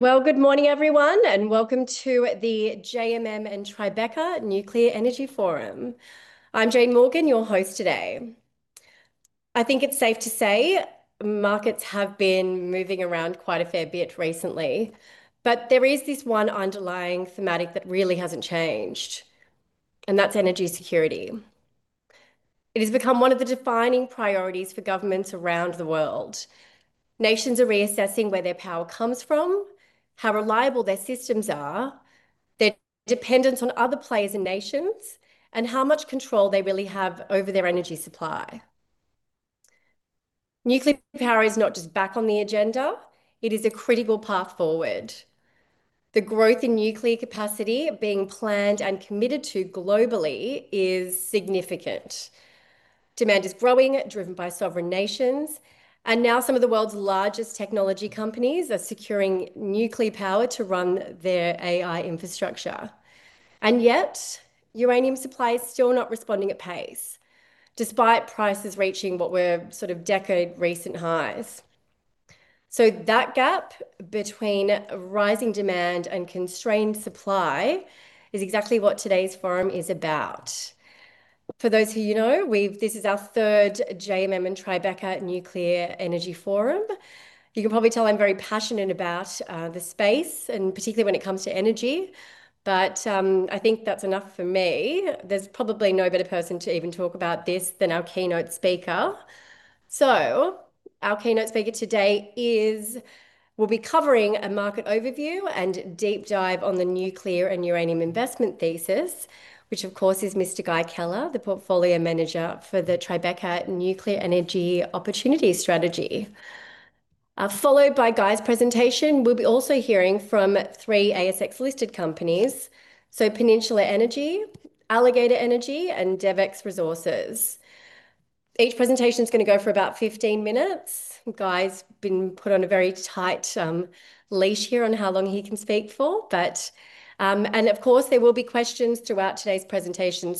Well, good morning everyone, and welcome to the JMM and Tribeca Nuclear Energy Forum. I'm Jane Morgan, your host today. I think it's safe to say markets have been moving around quite a fair bit recently, but there is this one underlying thematic that really hasn't changed, and that's energy security. It has become one of the defining priorities for governments around the world. Nations are reassessing where their power comes from, how reliable their systems are, their dependence on other players and nations, and how much control they really have over their energy supply. Nuclear power is not just back on the agenda, it is a critical path forward. The growth in nuclear capacity being planned and committed to globally is significant. Demand is growing, driven by sovereign nations, and now some of the world's largest technology companies are securing nuclear power to run their AI infrastructure. Yet, uranium supply is still not responding at pace, despite prices reaching what were sort of decade recent highs. That gap between rising demand and constrained supply is exactly what today's forum is about. For those of you who know, this is our third JMM and Tribeca Nuclear Energy Forum. You can probably tell I'm very passionate about the space and particularly when it comes to energy. I think that's enough from me. There's probably no better person to even talk about this than our keynote speaker. Our keynote speaker today will be covering a market overview and deep dive on the nuclear and uranium investment thesis, which of course is Mr. Guy Keller, the portfolio manager for the Tribeca Nuclear Energy Opportunities strategy. Followed by Guy's presentation, we'll be also hearing from three ASX-listed companies, so Peninsula Energy, Alligator Energy, and DevEx Resources. Each presentation is gonna go for about 15 minutes. Guy's been put on a very tight leash here on how long he can speak for, but. Of course, there will be questions throughout today's presentation.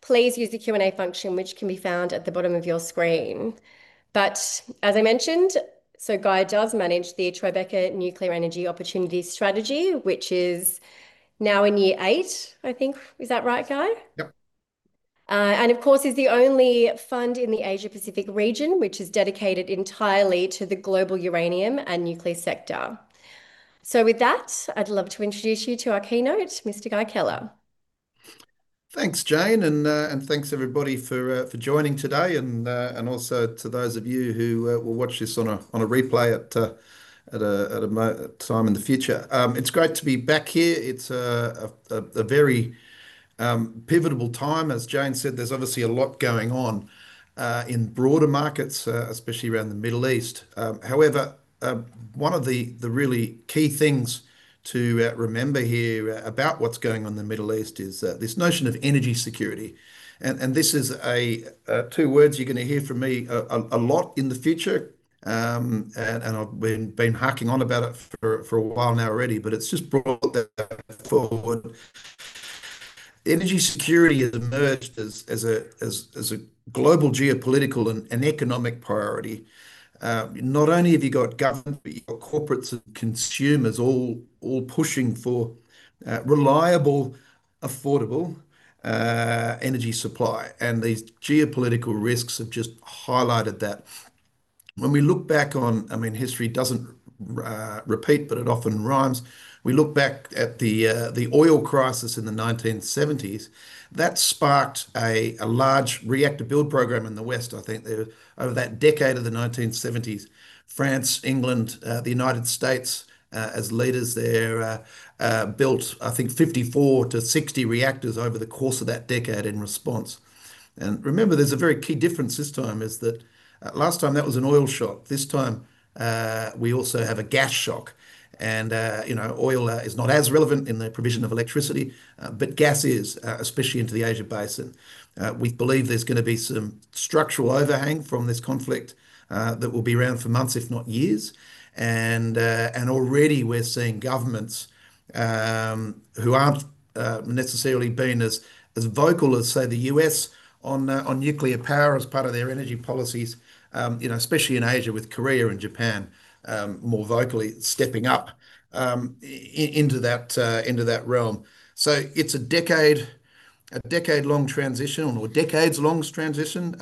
Please use the Q&A function which can be found at the bottom of your screen. As I mentioned, Guy does manage the Tribeca Nuclear Energy Opportunities strategy, which is now in year eight, I think. Is that right, Guy? Yep. Of course, it is the only fund in the Asia-Pacific region which is dedicated entirely to the global uranium and nuclear sector. With that, I'd love to introduce you to our keynote, Mr. Guy Keller. Thanks, Jane, and thanks everybody for joining today and also to those of you who will watch this on a replay at a time in the future. It's great to be back here. It's a very pivotal time. As Jane said, there's obviously a lot going on in broader markets, especially around the Middle East. However, one of the really key things to remember here about what's going on in the Middle East is this notion of energy security, and this is a two words you're gonna hear from me a lot in the future. I've been harking on about it for a while now already, but it's just brought that forward. Energy security has emerged as a global geopolitical and economic priority. Not only have you got government, but you've got corporates and consumers all pushing for reliable, affordable energy supply, and these geopolitical risks have just highlighted that. When we look back on, I mean, history doesn't repeat, but it often rhymes. We look back at the oil crisis in the 1970s, that sparked a large reactor build program in the West, I think, over that decade of the 1970s. France, England, the United States, as leaders there, built, I think, 54-60 reactors over the course of that decade in response. Remember, there's a very key difference this time is that last time that was an oil shock. This time, we also have a gas shock and, you know, oil is not as relevant in the provision of electricity, but gas is, especially into the Asia basin. We believe there's gonna be some structural overhang from this conflict that will be around for months, if not years. Already we're seeing governments who aren't necessarily been as vocal as, say, the U.S. on nuclear power as part of their energy policies, you know, especially in Asia with Korea and Japan, more vocally stepping up into that realm. It's a decade-long transition or decades-long transition.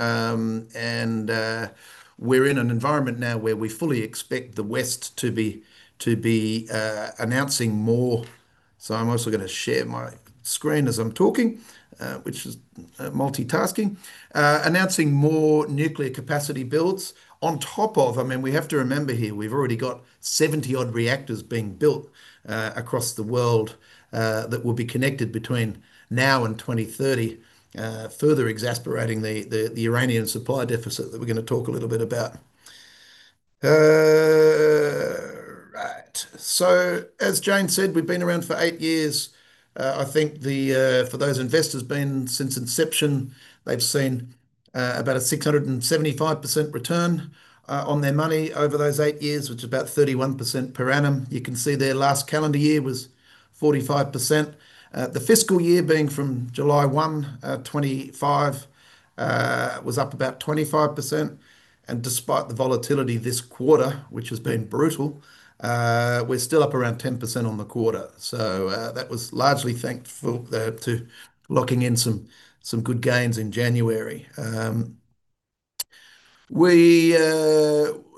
We're in an environment now where we fully expect the West to be announcing more. I'm also gonna share my screen as I'm talking, which is multitasking. Announcing more nuclear capacity builds on top of I mean, we have to remember here, we've already got 70-odd reactors being built across the world that will be connected between now and 2030 further exasperating the uranium supply deficit that we're gonna talk a little bit about. Right. As Jane said, we've been around for eight years. I think the for those investors been since inception, they've seen about a 675% return on their money over those eight years, which is about 31% per annum. You can see their last calendar year was 45%. The fiscal year being from July 1, 2025, was up about 25%. Despite the volatility this quarter, which has been brutal, we're still up around 10% on the quarter. That was largely thanks to locking in some good gains in January.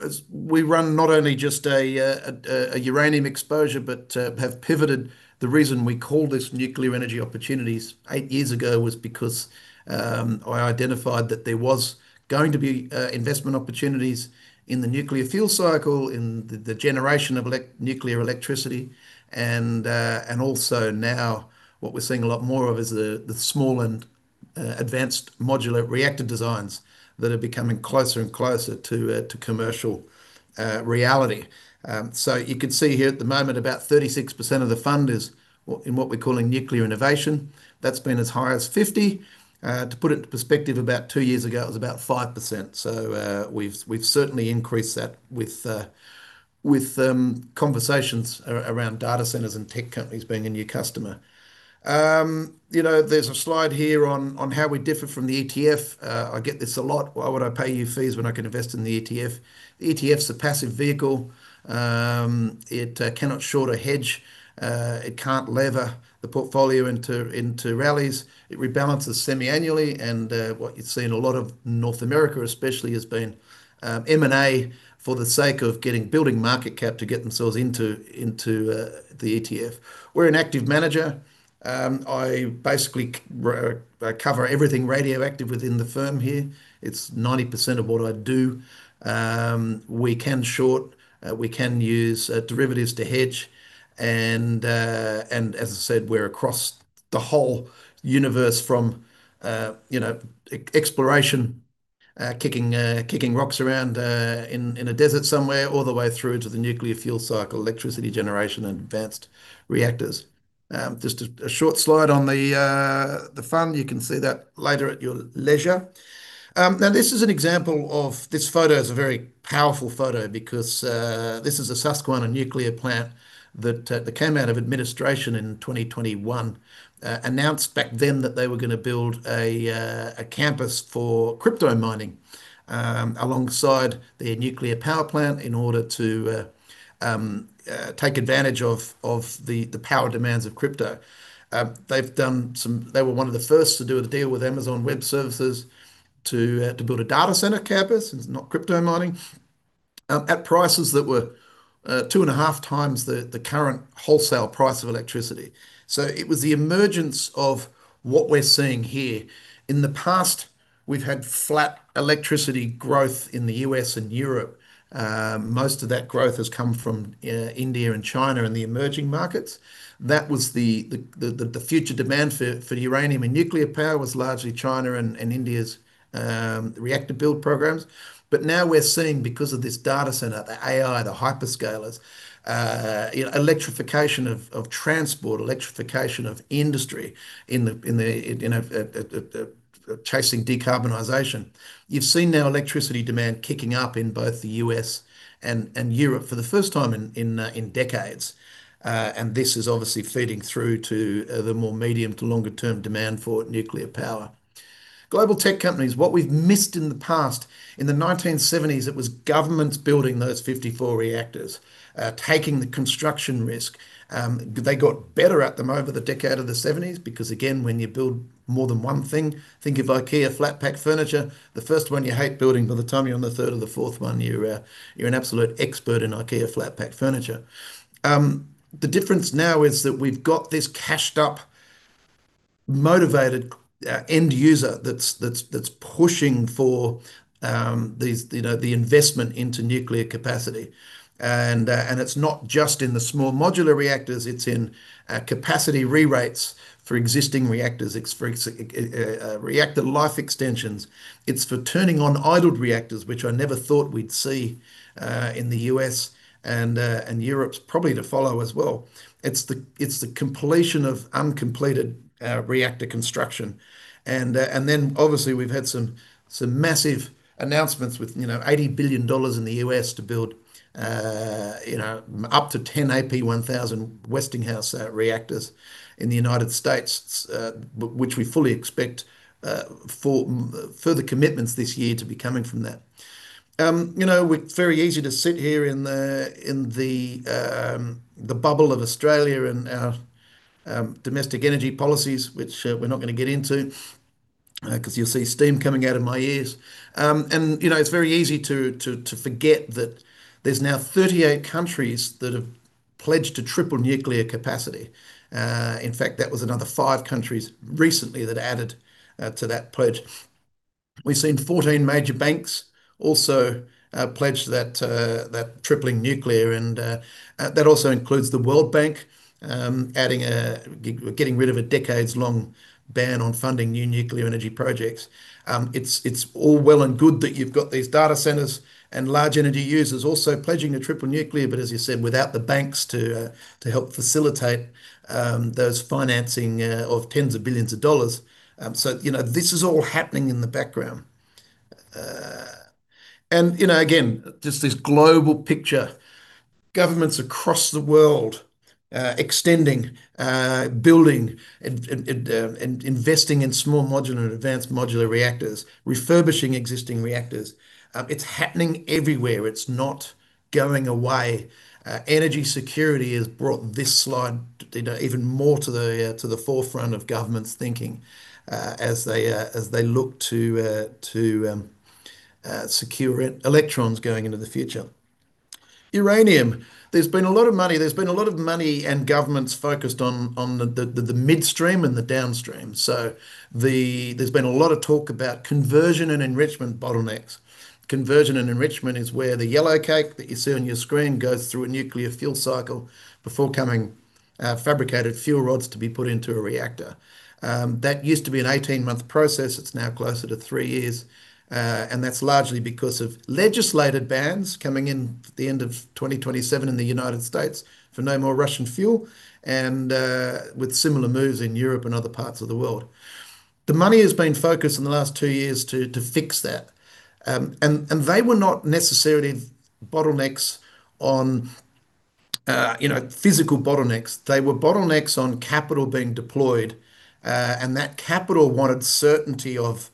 As we run not only just a uranium exposure, but have pivoted. The reason we called this Nuclear Energy Opportunities eight years ago was because I identified that there was going to be investment opportunities in the nuclear fuel cycle, in the generation of nuclear electricity and also now what we're seeing a lot more of is the small and advanced modular reactor designs that are becoming closer and closer to commercial reality. You can see here at the moment about 36% of the fund is in what we're calling nuclear innovation. That's been as high as 50. To put it into perspective, about two years ago it was about 5%. We've certainly increased that with conversations around data centers and tech companies being a new customer. You know, there's a slide here on how we differ from the ETF. I get this a lot. "Why would I pay you fees when I can invest in the ETF?" ETF's a passive vehicle. It cannot short or hedge. It can't leverage the portfolio into rallies. It rebalances semi-annually and what you'd see in a lot of North America especially has been M&A for the sake of building market cap to get themselves into the ETF. We're an active manager. I basically cover everything radioactive within the firm here. It's 90% of what I do. We can short, we can use derivatives to hedge and, as I said, we're across the whole universe from, you know, exploration, kicking rocks around in a desert somewhere, all the way through to the nuclear fuel cycle, electricity generation and advanced reactors. Just a short slide on the fund. You can see that later at your leisure. Now this is an example of. This photo is a very powerful photo because this is a Susquehanna nuclear plant that came out of administration in 2021. Announced back then that they were gonna build a campus for crypto mining alongside their nuclear power plant in order to take advantage of the power demands of crypto. They were one of the first to do a deal with Amazon Web Services to build a data center campus, and it's not crypto mining, at prices that were two and a half times the current wholesale price of electricity. It was the emergence of what we're seeing here. In the past, we've had flat electricity growth in the U.S. and Europe. Most of that growth has come from India and China and the emerging markets. That was the future demand for uranium and nuclear power was largely China and India's reactor build programs. But now we're seeing, because of this data center, the AI, the hyperscalers, you know, electrification of transport, electrification of industry in the chasing decarbonization. You've seen now electricity demand kicking up in both the U.S. and Europe for the first time in decades. This is obviously feeding through to the more medium- to longer-term demand for nuclear power. Global tech companies, what we've missed in the past, in the 1970s, it was governments building those 54 reactors, taking the construction risk. They got better at them over the decade of the 1970s because, again, when you build more than one thing, think of IKEA flat-pack furniture, the first one you hate building, by the time you're on the third or the fourth one, you're an absolute expert in IKEA flat-pack furniture. The difference now is that we've got this cashed up, motivated end user that's pushing for these, you know, the investment into nuclear capacity. It's not just in the small modular reactors, it's in capacity re-rates for existing reactors, for reactor life extensions. It's for turning on idled reactors, which I never thought we'd see in the U.S. and Europe's probably to follow as well. It's the completion of uncompleted reactor construction. Obviously we've had some massive announcements with, you know, $80 billion in the U.S. to build, you know, up to 10 AP1000 Westinghouse reactors in the United States, which we fully expect for further commitments this year to be coming from that. You know, very easy to sit here in the bubble of Australia and our domestic energy policies, which we're not gonna get into, 'cause you'll see steam coming out of my ears. You know, it's very easy to forget that there's now 38 countries that have pledged to triple nuclear capacity. In fact, that was another five countries recently that added to that pledge. We've seen 14 major banks also pledge that tripling nuclear and that also includes the World Bank adding getting rid of a decades-long ban on funding new nuclear energy projects. It's all well and good that you've got these data centers and large energy users also pledging to triple nuclear, but as you said, without the banks to help facilitate those financing of $10s of billions. You know, this is all happening in the background. You know, again, just this global picture, governments across the world extending, building and investing in small modular and advanced modular reactors, refurbishing existing reactors. It's happening everywhere. It's not going away. Energy security has brought you know even more to the forefront of governments thinking, as they look to secure electrons going into the future. Uranium, there's been a lot of money and governments focused on the midstream and the downstream. There's been a lot of talk about conversion and enrichment bottlenecks. Conversion and enrichment is where the yellowcake that you see on your screen goes through a nuclear fuel cycle before becoming fabricated fuel rods to be put into a reactor. That used to be an 18-month process, it's now closer to 3 years. That's largely because of legislated bans coming in at the end of 2027 in the U.S. for no more Russian fuel and with similar moves in Europe and other parts of the world. The money has been focused in the last two years to fix that. They were not necessarily bottlenecks, you know, physical bottlenecks. They were bottlenecks on capital being deployed, and that capital wanted certainty of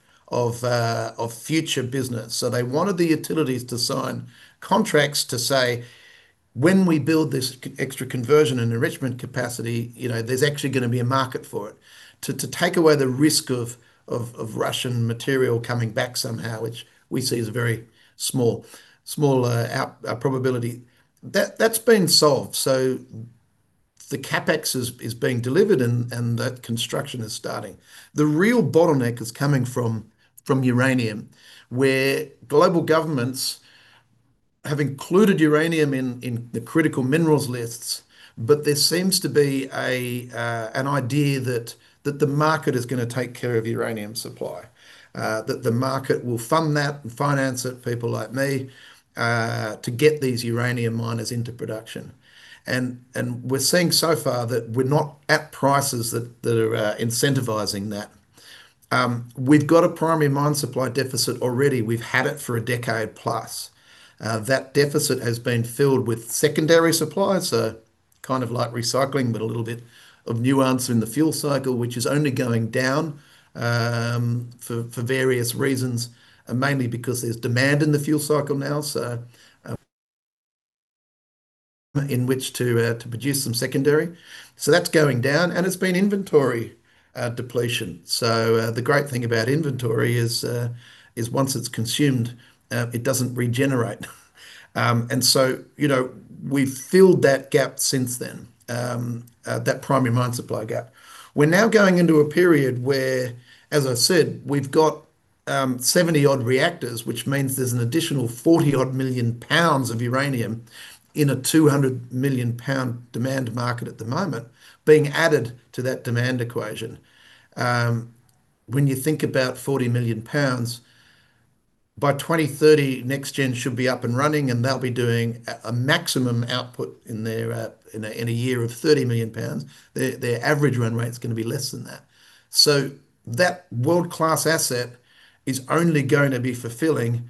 future business. They wanted the utilities to sign contracts to say, "When we build this extra conversion and enrichment capacity, you know, there's actually gonna be a market for it," to take away the risk of Russian material coming back somehow, which we see as a very small probability. That's been solved. The CapEx is being delivered and that construction is starting. The real bottleneck is coming from uranium, where global governments have included uranium in the critical minerals lists. There seems to be an idea that the market is gonna take care of uranium supply. That the market will fund that and finance it, people like me, to get these uranium miners into production. We're seeing so far that we're not at prices that are incentivizing that. We've got a primary mine supply deficit already. We've had it for a decade plus. That deficit has been filled with secondary supply, so kind of like recycling, but a little bit of nuance in the fuel cycle, which is only going down, for various reasons, and mainly because there's demand in the fuel cycle now. In which to produce some secondary. That's going down and it's been inventory depletion. The great thing about inventory is once it's consumed, it doesn't regenerate. You know, we've filled that gap since then, that primary mine supply gap. We're now going into a period where, as I said, we've got 70-odd reactors, which means there's an additional 40-odd M lbs of uranium in a 200 million pound demand market at the moment being added t1:51:02o that demand equation. When you think about 40 M lbs, by 2030, NexGen should be up and running, and they'll be doing a maximum output in a year of 30 M lbs. Their average run rate's gonna be less than that. That world-class asset is only going to be fulfilling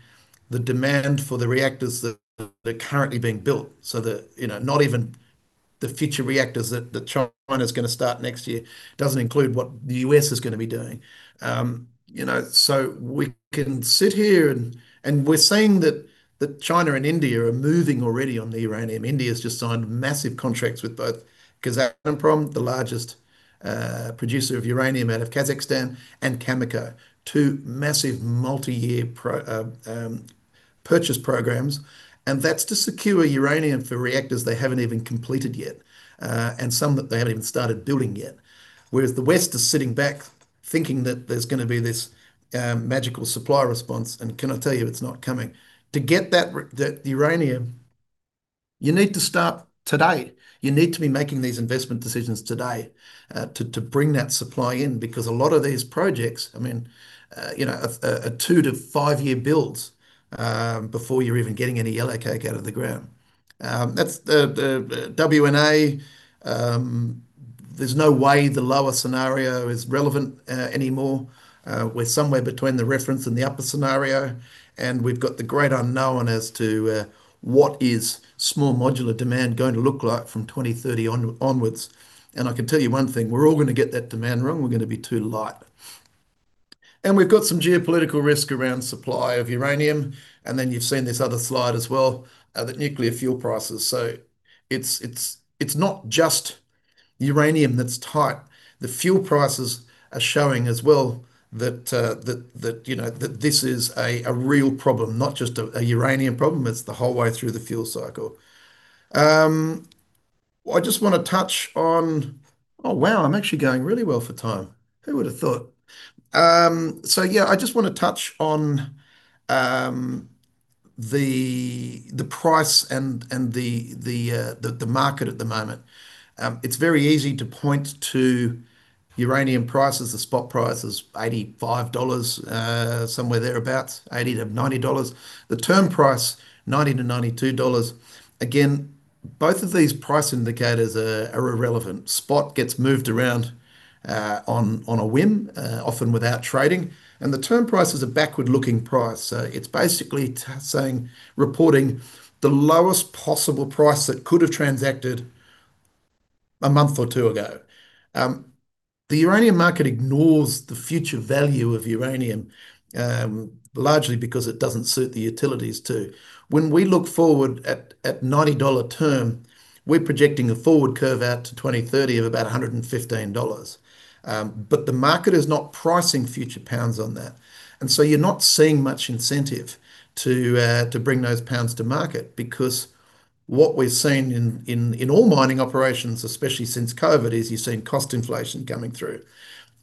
the demand for the reactors that are currently being built. You know, not even the future reactors that China's gonna start next year doesn't include what the U.S. is gonna be doing. You know, we can sit here and we're seeing that China and India are moving already on the uranium. India's just signed massive contracts with both Kazatomprom, the largest producer of uranium out of Kazakhstan, and Cameco, two massive multi-year purchase programs. That's to secure uranium for reactors they haven't even completed yet, and some that they haven't even started building yet. Whereas the West is sitting back thinking that there's gonna be this magical supply response, and can I tell you it's not coming. To get that uranium, you need to start today. You need to be making these investment decisions today, to bring that supply in because a lot of these projects, I mean, you know, a two- to five-year build before you're even getting any yellowcake out of the ground. That's the WNA, there's no way the lower scenario is relevant anymore. We're somewhere between the reference and the upper scenario, and we've got the great unknown as to what is small modular demand going to look like from 2030 onwards. I can tell you one thing, we're all gonna get that demand wrong. We're gonna be too light. We've got some geopolitical risk around supply of uranium, and then you've seen this other slide as well, the nuclear fuel prices. It's not just uranium that's tight. The fuel prices are showing as well that you know that this is a real problem, not just a uranium problem, it's the whole way through the fuel cycle. I just wanna touch on. Oh, wow, I'm actually going really well for time. Who would have thought? Yeah, I just wanna touch on the price and the market at the moment. It's very easy to point to uranium prices. The spot price is $85, somewhere thereabout, $80-$90. The term price, $90-$92. Again, both of these price indicators are irrelevant. Spot gets moved around on a whim, often without trading, and the term price is a backward-looking price. It's basically saying, reporting the lowest possible price that could have transacted a month or two ago. The uranium market ignores the future value of uranium, largely because it doesn't suit the utilities to. When we look forward at $90 term, we're projecting a forward curve out to 2030 of about $115. But the market is not pricing future pounds on that, and so you're not seeing much incentive to bring those pounds to market because what we're seeing in all mining operations, especially since COVID, is you're seeing cost inflation coming through.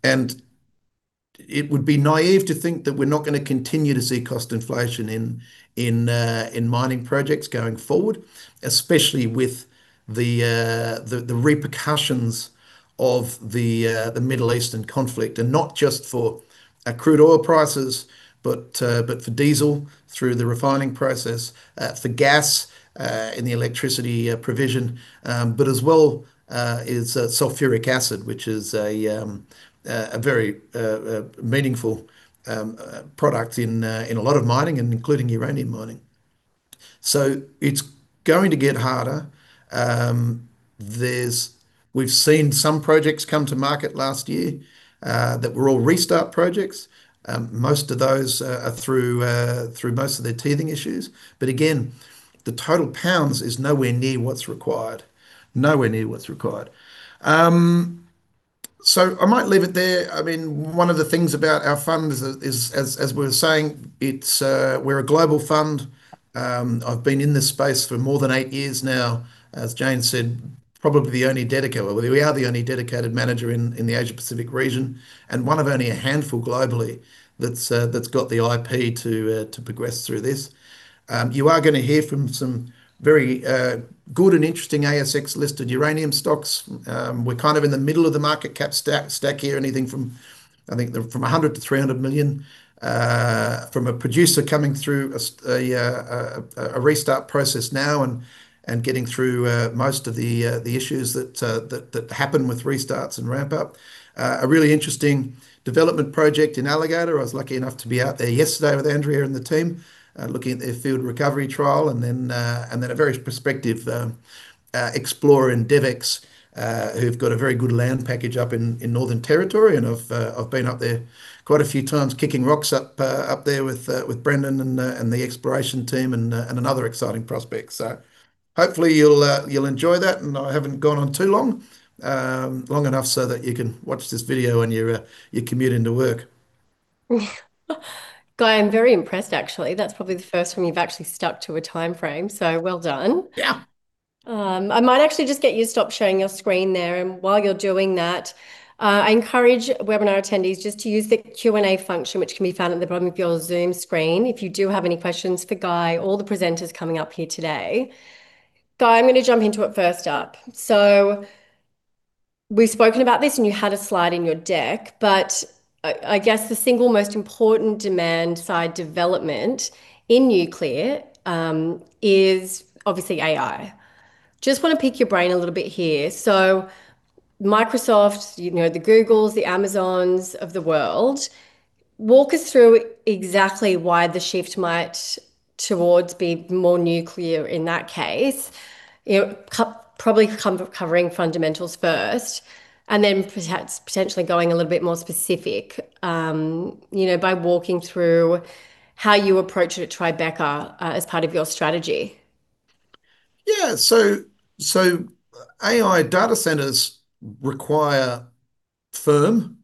It would be naive to think that we're not gonna continue to see cost inflation in mining projects going forward, especially with the repercussions of the Middle Eastern conflict. Not just for crude oil prices, but for diesel through the refining process, for gas, in the electricity provision, but as well is sulfuric acid, which is a very meaningful product in a lot of mining, including uranium mining. It's going to get harder. We've seen some projects come to market last year that were all restart projects. Most of those are through most of their teething issues. Again, the total pounds is nowhere near what's required. I might leave it there. I mean, one of the things about our fund is, as we're saying, we're a global fund. I've been in this space for more than eight years now. As Jane said, probably the only dedicated. Well, we are the only dedicated manager in the Asia-Pacific region, and one of only a handful globally that's got the IP to progress through this. You are gonna hear from some very good and interesting ASX-listed uranium stocks. We're kind of in the middle of the market cap stack here, anything from, I think, 100 million-300 million, from a producer coming through a restart process now and getting through most of the issues that happen with restarts and ramp up. A really interesting development project in Alligator. I was lucky enough to be out there yesterday with Andrea and the team, looking at their field recovery trial and then a very prospective explorer in DevEx, who've got a very good land package up in Northern Territory. I've been up there quite a few times kicking rocks up there with Brendan and the exploration team and another exciting prospect. Hopefully you'll enjoy that, and I haven't gone on too long, long enough so that you can watch this video on your commute into work. Guy, I'm very impressed actually. That's probably the first one you've actually stuck to a timeframe, so well done. Yeah. I might actually just get you to stop sharing your screen there, and while you're doing that, I encourage webinar attendees just to use the Q&A function, which can be found at the bottom of your Zoom screen, if you do have any questions for Guy or the presenters coming up here today. Guy, I'm gonna jump into it first up. We've spoken about this, and you had a slide in your deck, but I guess the single most important demand-side development in nuclear is obviously AI. Just wanna pick your brain a little bit here. Microsoft, you know, the Googles, the Amazons of the world, walk us through exactly why the shift might towards be more nuclear in that case. You know, probably covering fundamentals first, and then perhaps potentially going a little bit more specific, you know, by walking through how you approach it at Tribeca, as part of your strategy. Yeah. AI data centers require firm,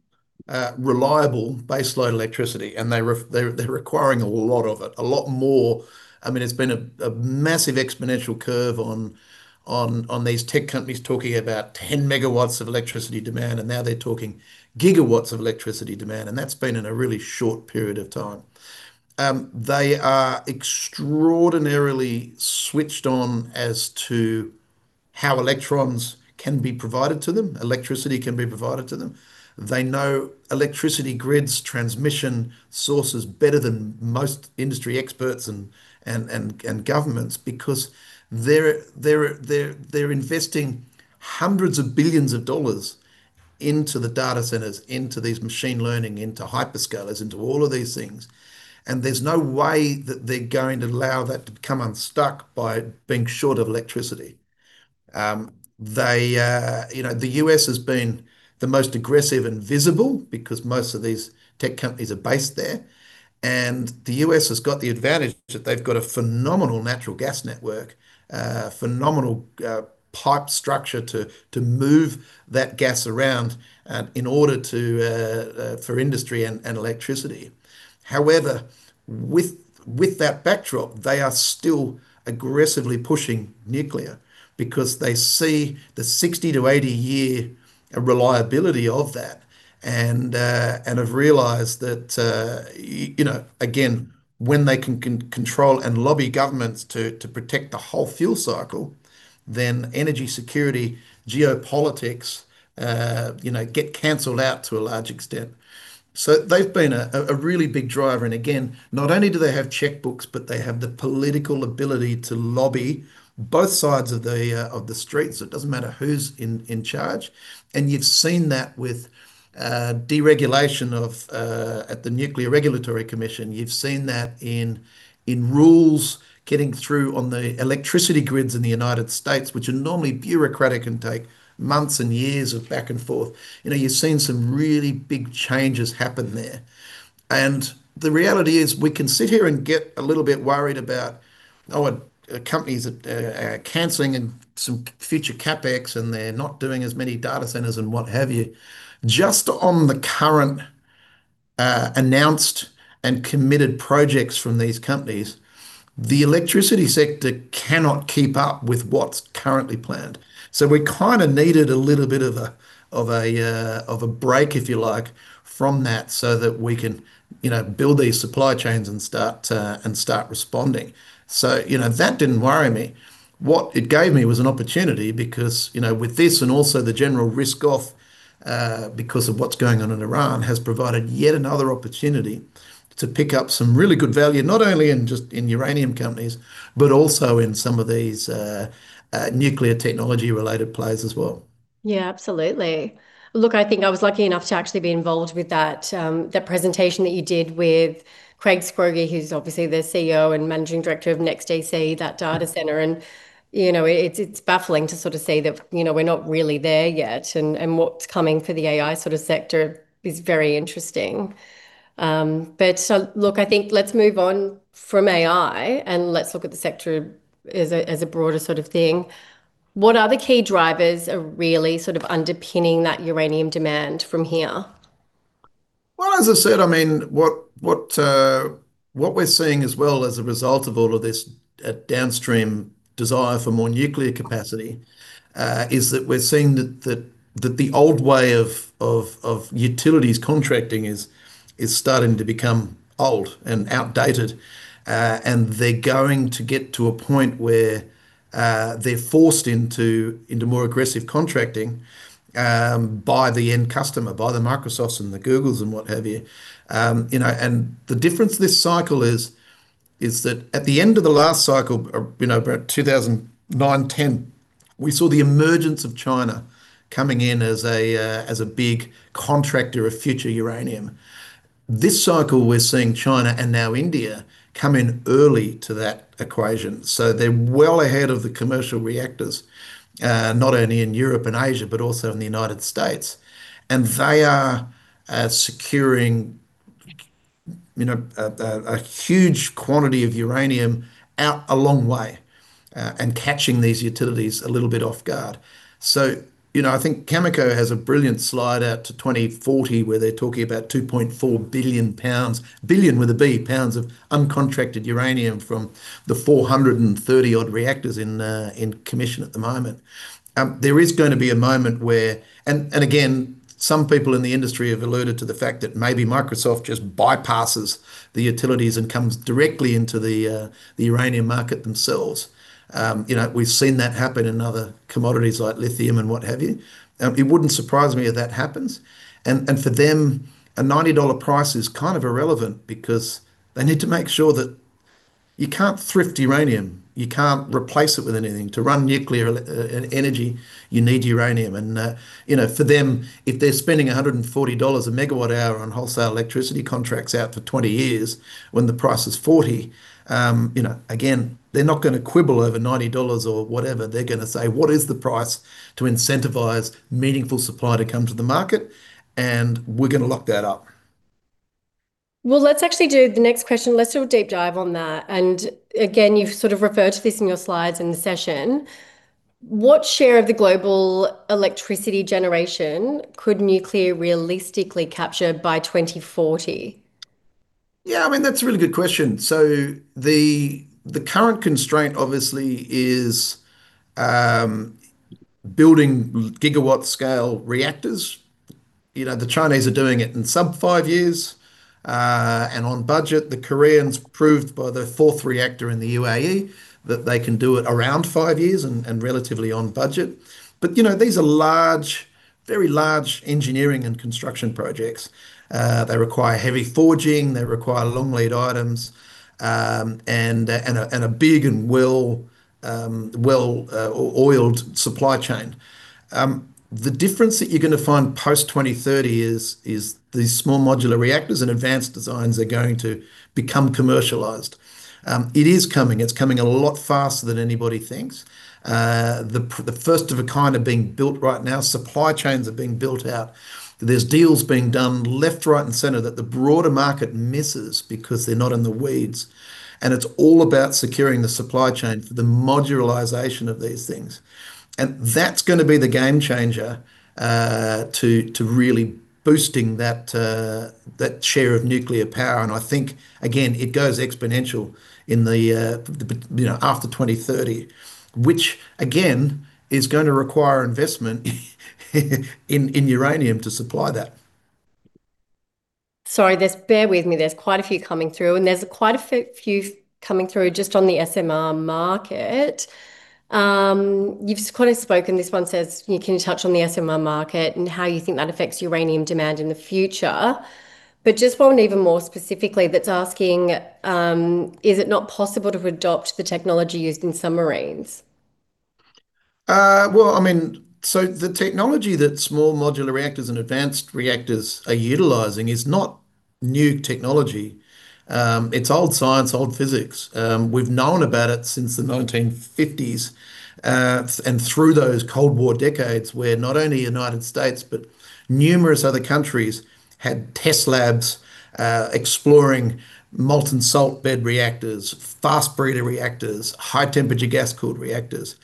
reliable baseline electricity, and they're requiring a lot of it, a lot more. I mean, it's been a massive exponential curve on these tech companies talking about 10 MW of electricity demand, and now they're talking GW of electricity demand, and that's been in a really short period of time. They are extraordinarily switched on as to how electrons can be provided to them, electricity can be provided to them. They know electricity grids, transmission sources better than most industry experts and governments because they're investing hundreds of billions of dollars into the data centers, into these machine learning, into hyperscalers, into all of these things, and there's no way that they're going to allow that to come unstuck by being short of electricity. They, you know, the U.S. has been the most aggressive and visible because most of these tech companies are based there, and the U.S. has got the advantage that they've got a phenomenal natural gas network, phenomenal pipe structure to move that gas around in order to for industry and electricity. However, with that backdrop, they are still aggressively pushing nuclear because they see the 60-80 year reliability of that and have realized that, you know, when they can control and lobby governments to protect the whole fuel cycle, then energy security geopolitics, you know, get canceled out to a large extent. They've been a really big driver and again, not only do they have checkbooks, but they have the political ability to lobby both sides of the street, so it doesn't matter who's in charge. You've seen that with deregulation at the Nuclear Regulatory Commission. You've seen that in rules getting through on the electricity grids in the United States, which are normally bureaucratic and take months and years of back and forth. You know, you've seen some really big changes happen there. The reality is we can sit here and get a little bit worried about, oh, a company's canceling and some future CapEx and they're not doing as many data centers and what have you. Just on the current, announced and committed projects from these companies, the electricity sector cannot keep up with what's currently planned. We kind of needed a little bit of a break, if you like, from that so that we can, you know, build these supply chains and start responding. You know, that didn't worry me. What it gave me was an opportunity because, you know, with this and also the general risk-off, because of what's going on in Iran, has provided yet another opportunity to pick up some really good value, not only in just in uranium companies, but also in some of these, nuclear technology-related plays as well. Yeah, absolutely. Look, I think I was lucky enough to actually be involved with that presentation that you did with Craig Scroggie, who's obviously the CEO and Managing Director of NEXTDC, that data center, and, you know, it's baffling to sort of see that, you know, we're not really there yet, and what's coming for the AI sort of sector is very interesting. Look, I think let's move on from AI, and let's look at the sector as a broader sort of thing. What are the key drivers are really sort of underpinning that uranium demand from here? Well, as I said, I mean, what we're seeing as well as a result of all of this downstream desire for more nuclear capacity is that we're seeing that the old way of utilities contracting is starting to become old and outdated. They're going to get to a point where they're forced into more aggressive contracting by the end customer, by the Microsofts and the Googles and what have you. You know, the difference this cycle is that at the end of the last cycle, or you know, about 2009, 2010, we saw the emergence of China coming in as a big contractor of future uranium. This cycle, we're seeing China and now India come in early to that equation, so they're well ahead of the commercial reactors, not only in Europe and Asia, but also in the United States, and they are securing, you know, a huge quantity of uranium out a long way, and catching these utilities a little bit off guard. You know, I think Cameco has a brilliant slide out to 2040 where they're talking about 2.4 billion pounds, billion with a B, pounds of uncontracted uranium from the 430-odd reactors in commission at the moment. There is gonna be a moment where again, some people in the industry have alluded to the fact that maybe Microsoft just bypasses the utilities and comes directly into the uranium market themselves. You know, we've seen that happen in other commodities like lithium and what have you. It wouldn't surprise me if that happens. For them, a $90 price is kind of irrelevant because they need to make sure that you can't thrift uranium, you can't replace it with anything. To run nuclear energy, you need uranium. You know, for them, if they're spending $140 a MWh on wholesale electricity contracts out for 20 years when the price is $40, you know, again, they're not gonna quibble over $90 or whatever. They're gonna say, "What is the price to incentivize meaningful supply to come to the market?" We're gonna lock that up. Well, let's actually do the next question. Let's do a deep dive on that. Again, you've sort of referred to this in your slides in the session. What share of the global electricity generation could nuclear realistically capture by 2040? Yeah. I mean, that's a really good question. The current constraint obviously is building gigawatt-scale reactors. You know, the Chinese are doing it in sub-five years and on budget. The Koreans proved by the fourth reactor in the UAE that they can do it around five years and relatively on budget. You know, these are large, very large engineering and construction projects. They require heavy forging. They require long lead items and a big and well oiled supply chain. The difference that you're gonna find post-2030 is these small modular reactors and advanced designs are going to become commercialized. It is coming. It's coming a lot faster than anybody thinks. The first-of-a-kind are being built right now. Supply chains are being built out. There's deals being done left, right, and center that the broader market misses because they're not in the weeds, and it's all about securing the supply chain for the modularization of these things. That's gonna be the game changer to really boosting that share of nuclear power. I think again, it goes exponential in the you know, after 2030, which again is gonna require investment in uranium to supply that. Sorry, bear with me, there's quite a few coming through, and there's quite a few coming through just on the SMR market. You've kind of spoken, this one says, "Can you touch on the SMR market and how you think that affects uranium demand in the future?" Just one even more specifically that's asking, "Is it not possible to adopt the technology used in submarines? Well, I mean, the technology that small modular reactors and advanced reactors are utilizing is not new technology. It's old science, old physics. We've known about it since the 1950s and through those Cold War decades where not only United States but numerous other countries had test labs exploring molten salt reactors, fast breeder reactors, high-temperature gas-cooled reactors.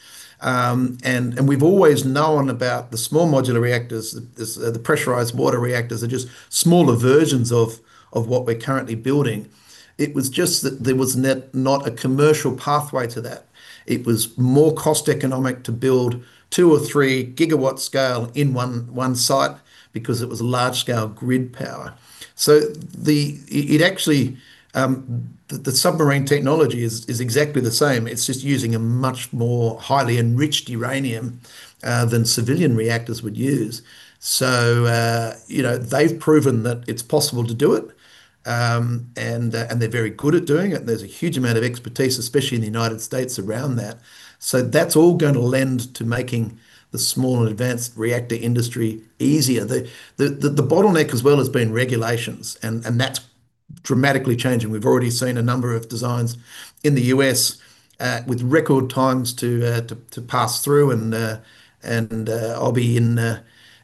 We've always known about the small modular reactors, the pressurized water reactors are just smaller versions of what we're currently building. It was just that there was not a commercial pathway to that. It was more cost economic to build 2 or 3 gigawatt scale in one site because it was a large scale grid power. It actually, the submarine technology is exactly the same. It's just using a much more highly enriched uranium than civilian reactors would use. You know, they've proven that it's possible to do it, and they're very good at doing it. There's a huge amount of expertise, especially in the United States around that. That's all gonna lend to making the small and advanced reactor industry easier. The bottleneck as well has been regulations, and that's dramatically changing. We've already seen a number of designs in the U.S. with record times to pass through. I'll be in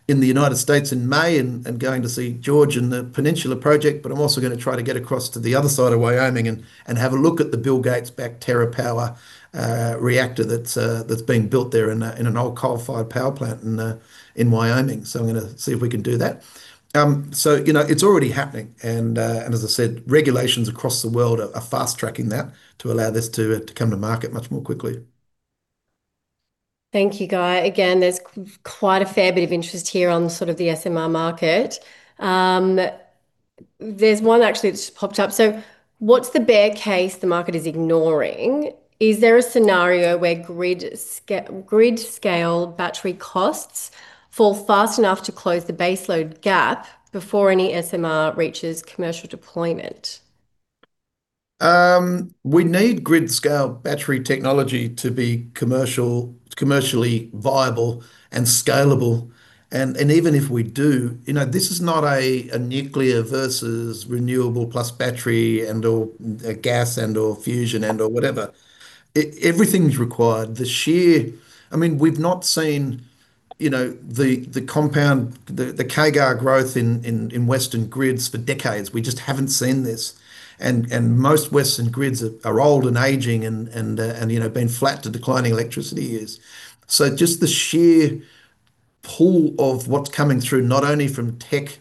the United States in May and going to see George in the Peninsula project, but I'm also gonna try to get across to the other side of Wyoming and have a look at the Bill Gates backed TerraPower reactor that's being built there in an old coal-fired power plant in Wyoming. I'm gonna see if we can do that. You know, it's already happening and as I said, regulations across the world are fast tracking that to allow this to come to market much more quickly. Thank you, Guy. Again, there's quite a fair bit of interest here on sort of the SMR market. There's one actually that's just popped up. What's the bear case the market is ignoring? Is there a scenario where grid scale battery costs fall fast enough to close the baseload gap before any SMR reaches commercial deployment? We need grid scale battery technology to be commercial, commercially viable and scalable. Even if we do, you know, this is not a nuclear versus renewable plus battery and/or a gas and/or fusion and/or whatever. Everything's required. I mean, we've not seen, you know, the compound CAGR growth in Western grids for decades. We just haven't seen this. Most Western grids are old and aging and you know, been flat to declining electricity years. Just the sheer pull of what's coming through, not only from tech,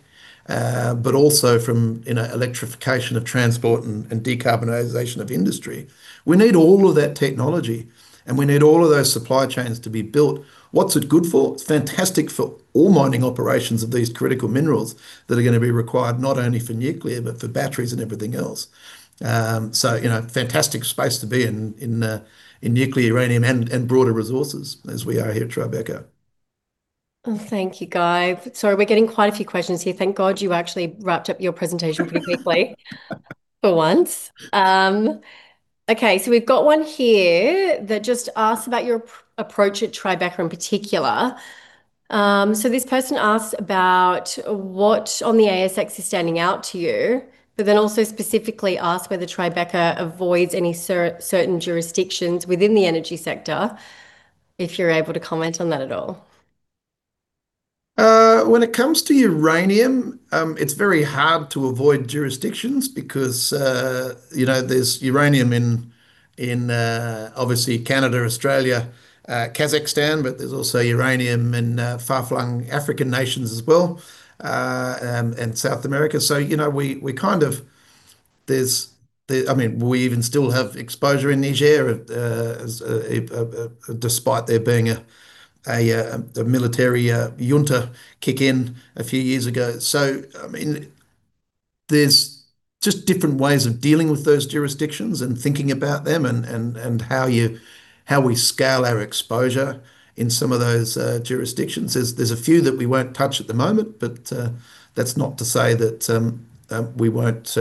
but also from, you know, electrification of transport and decarbonization of industry. We need all of that technology, and we need all of those supply chains to be built. What's it good for? Fantastic for ore mining operations of these critical minerals that are gonna be required not only for nuclear, but for batteries and everything else. You know, fantastic space to be in in nuclear uranium and broader resources as we are here at Tribeca. Thank you, Guy. Sorry, we're getting quite a few questions here. Thank Guy you actually wrapped up your presentation pretty quickly for once. Okay, we've got one here that just asks about your approach at Tribeca in particular. This person asks about what on the ASX is standing out to you, but then also specifically asks whether Tribeca avoids any certain jurisdictions within the energy sector, if you're able to comment on that at all. When it comes to uranium, it's very hard to avoid jurisdictions because, you know, there's uranium in, obviously Canada, Australia, Kazakhstan, but there's also uranium in far-flung African nations as well, and South America. You know, we even still have exposure in Niger, despite there being a military junta coup in a few years ago. I mean, there's just different ways of dealing with those jurisdictions and thinking about them and how we scale our exposure in some of those jurisdictions. There's a few that we won't touch at the moment, but that's not to say that we won't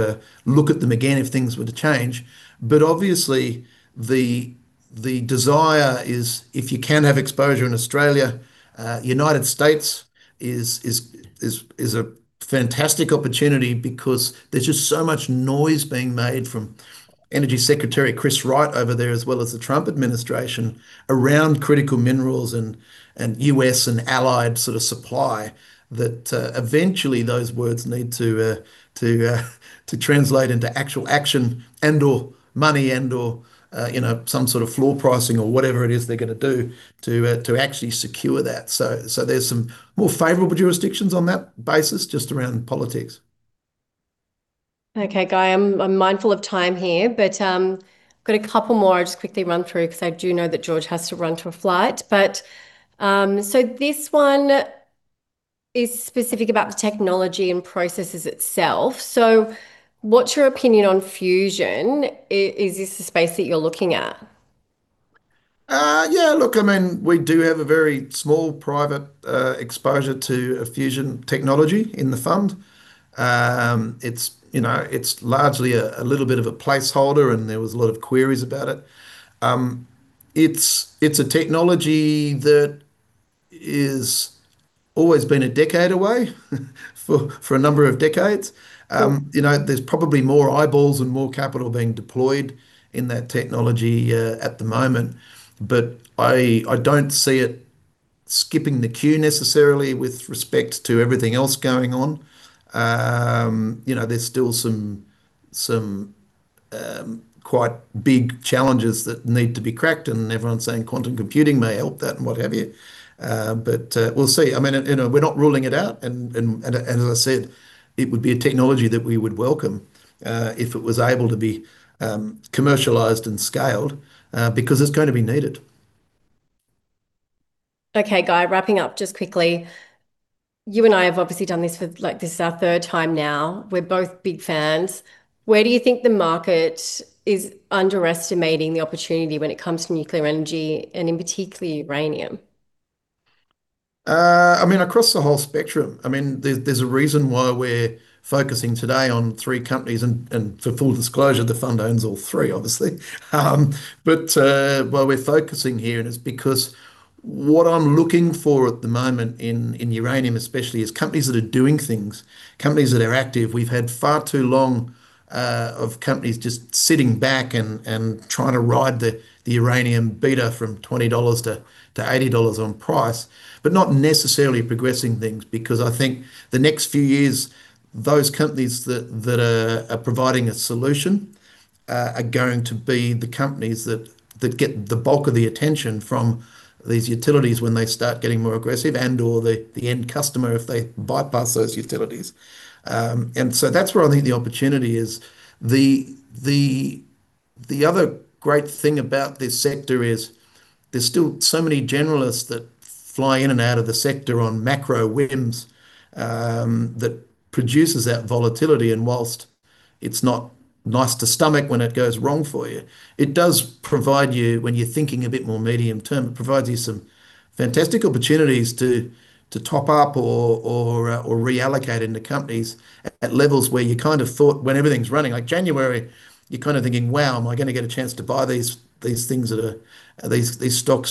look at them again if things were to change. Obviously, the desire is if you can have exposure in Australia. United States is a fantastic opportunity because there's just so much noise being made from Energy Secretary Chris Wright over there, as well as the Trump administration around critical minerals and U.S. and allied sort of supply that eventually those words need to translate into actual action and/or money and/or, you know, some sort of floor pricing or whatever it is they're gonna do to actually secure that. There's some more favorable jurisdictions on that basis, just around politics. Okay, Guy, I'm mindful of time here, but got a couple more I'll just quickly run through 'cause I do know that George has to run to a flight. This one is specific about the technology and processes itself. What's your opinion on fusion? Is this the space that you're looking at? Yeah, look, I mean, we do have a very small private exposure to a fusion technology in the fund. It's, you know, it's largely a little bit of a placeholder, and there was a lot of queries about it. It's a technology that is always been a decade away for a number of decades. You know, there's probably more eyeballs and more capital being deployed in that technology at the moment. I don't see it skipping the queue necessarily with respect to everything else going on. You know, there's still some quite big challenges that need to be cracked, and everyone's saying quantum computing may help that and what have you. We'll see. I mean, you know, we're not ruling it out and, as I said, it would be a technology that we would welcome if it was able to be commercialized and scaled because it's gonna be needed. Okay, Guy, wrapping up just quickly. You and I have obviously done this for, like, this is our third time now. We're both big fans. Where do you think the market is underestimating the opportunity when it comes to nuclear energy and in particular uranium? I mean, across the whole spectrum. I mean, there's a reason why we're focusing today on three companies and for full disclosure, the fund owns all three, obviously. Well, we're focusing here, and it's because what I'm looking for at the moment in uranium especially is companies that are doing things, companies that are active. We've had far too long of companies just sitting back and trying to ride the uranium beta from $20-$80 on price, but not necessarily progressing things because I think the next few years, those companies that are providing a solution are going to be the companies that get the bulk of the attention from these utilities when they start getting more aggressive and/or the end customer if they bypass those utilities. That's where I think the opportunity is. The other great thing about this sector is there's still so many generalists that fly in and out of the sector on macro whims that produces that volatility. While it's not nice to stomach when it goes wrong for you, it does provide you, when you're thinking a bit more medium term, it provides you some fantastic opportunities to top up or reallocate into companies at levels where you kind of thought when everything's running. Like January, you're kind of thinking, "Wow, am I gonna get a chance to buy these stocks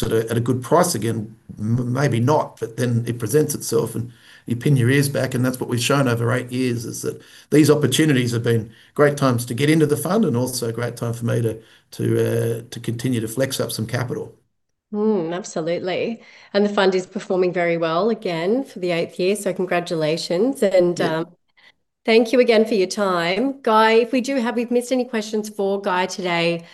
at a good price again?" Maybe not, but then it presents itself and you pin your ears back, and that's what we've shown over eight years is that these opportunities have been great times to get into the fund and also a great time for me to continue to flex up some capital. Absolutely. The fund is performing very well again for the eighth year, so congratulations. Thank you. Thank you again for your time. Guy, if we've missed any questions for Guy today,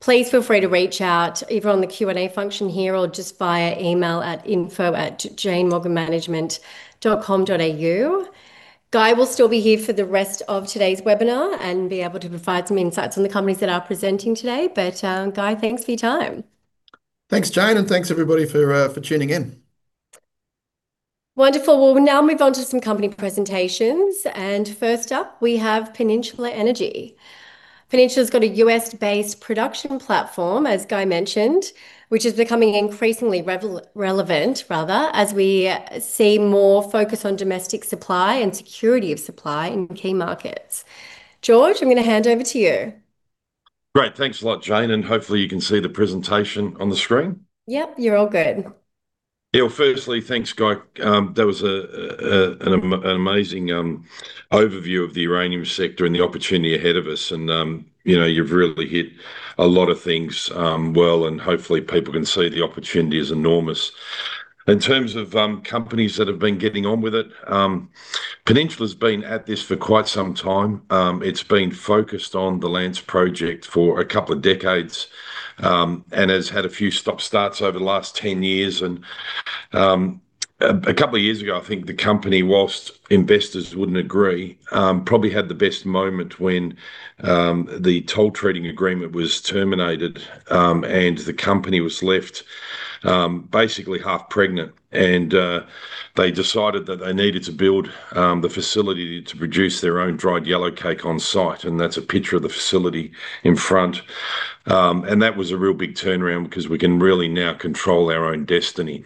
please feel free to reach out either on the Q&A function here or just via email at info@janemorganmanagement.com.au. Guy will still be here for the rest of today's webinar and be able to provide some insights on the companies that are presenting today. Guy, thanks for your time. Thanks, Jane, and thanks everybody for tuning in. Wonderful. We'll now move on to some company presentations, and first up we have Peninsula Energy. Peninsula's got a U.S.-based production platform, as Guy mentioned, which is becoming increasingly relevant as we see more focus on domestic supply and security of supply in key markets. George, I'm gonna hand over to you. Great. Thanks a lot, Jane, and hopefully you can see the presentation on the screen. Yep, you're all good. Yeah, firstly, thanks, Guy. That was an amazing overview of the uranium sector and the opportunity ahead of us and, you know, you've really hit a lot of things well, and hopefully people can see the opportunity is enormous. In terms of companies that have been getting on with it, Peninsula's been at this for quite some time. It's been focused on the Lance Project for a couple of decades and has had a few stop-starts over the last 10 years. A couple of years ago, I think the company, while investors wouldn't agree, probably had the best moment when the toll treating agreement was terminated, and the company was left basically half-pregnant and they decided that they needed to build the facility to produce their own dried yellowcake on site, and that's a picture of the facility in front. That was a real big turnaround because we can really now control our own destiny.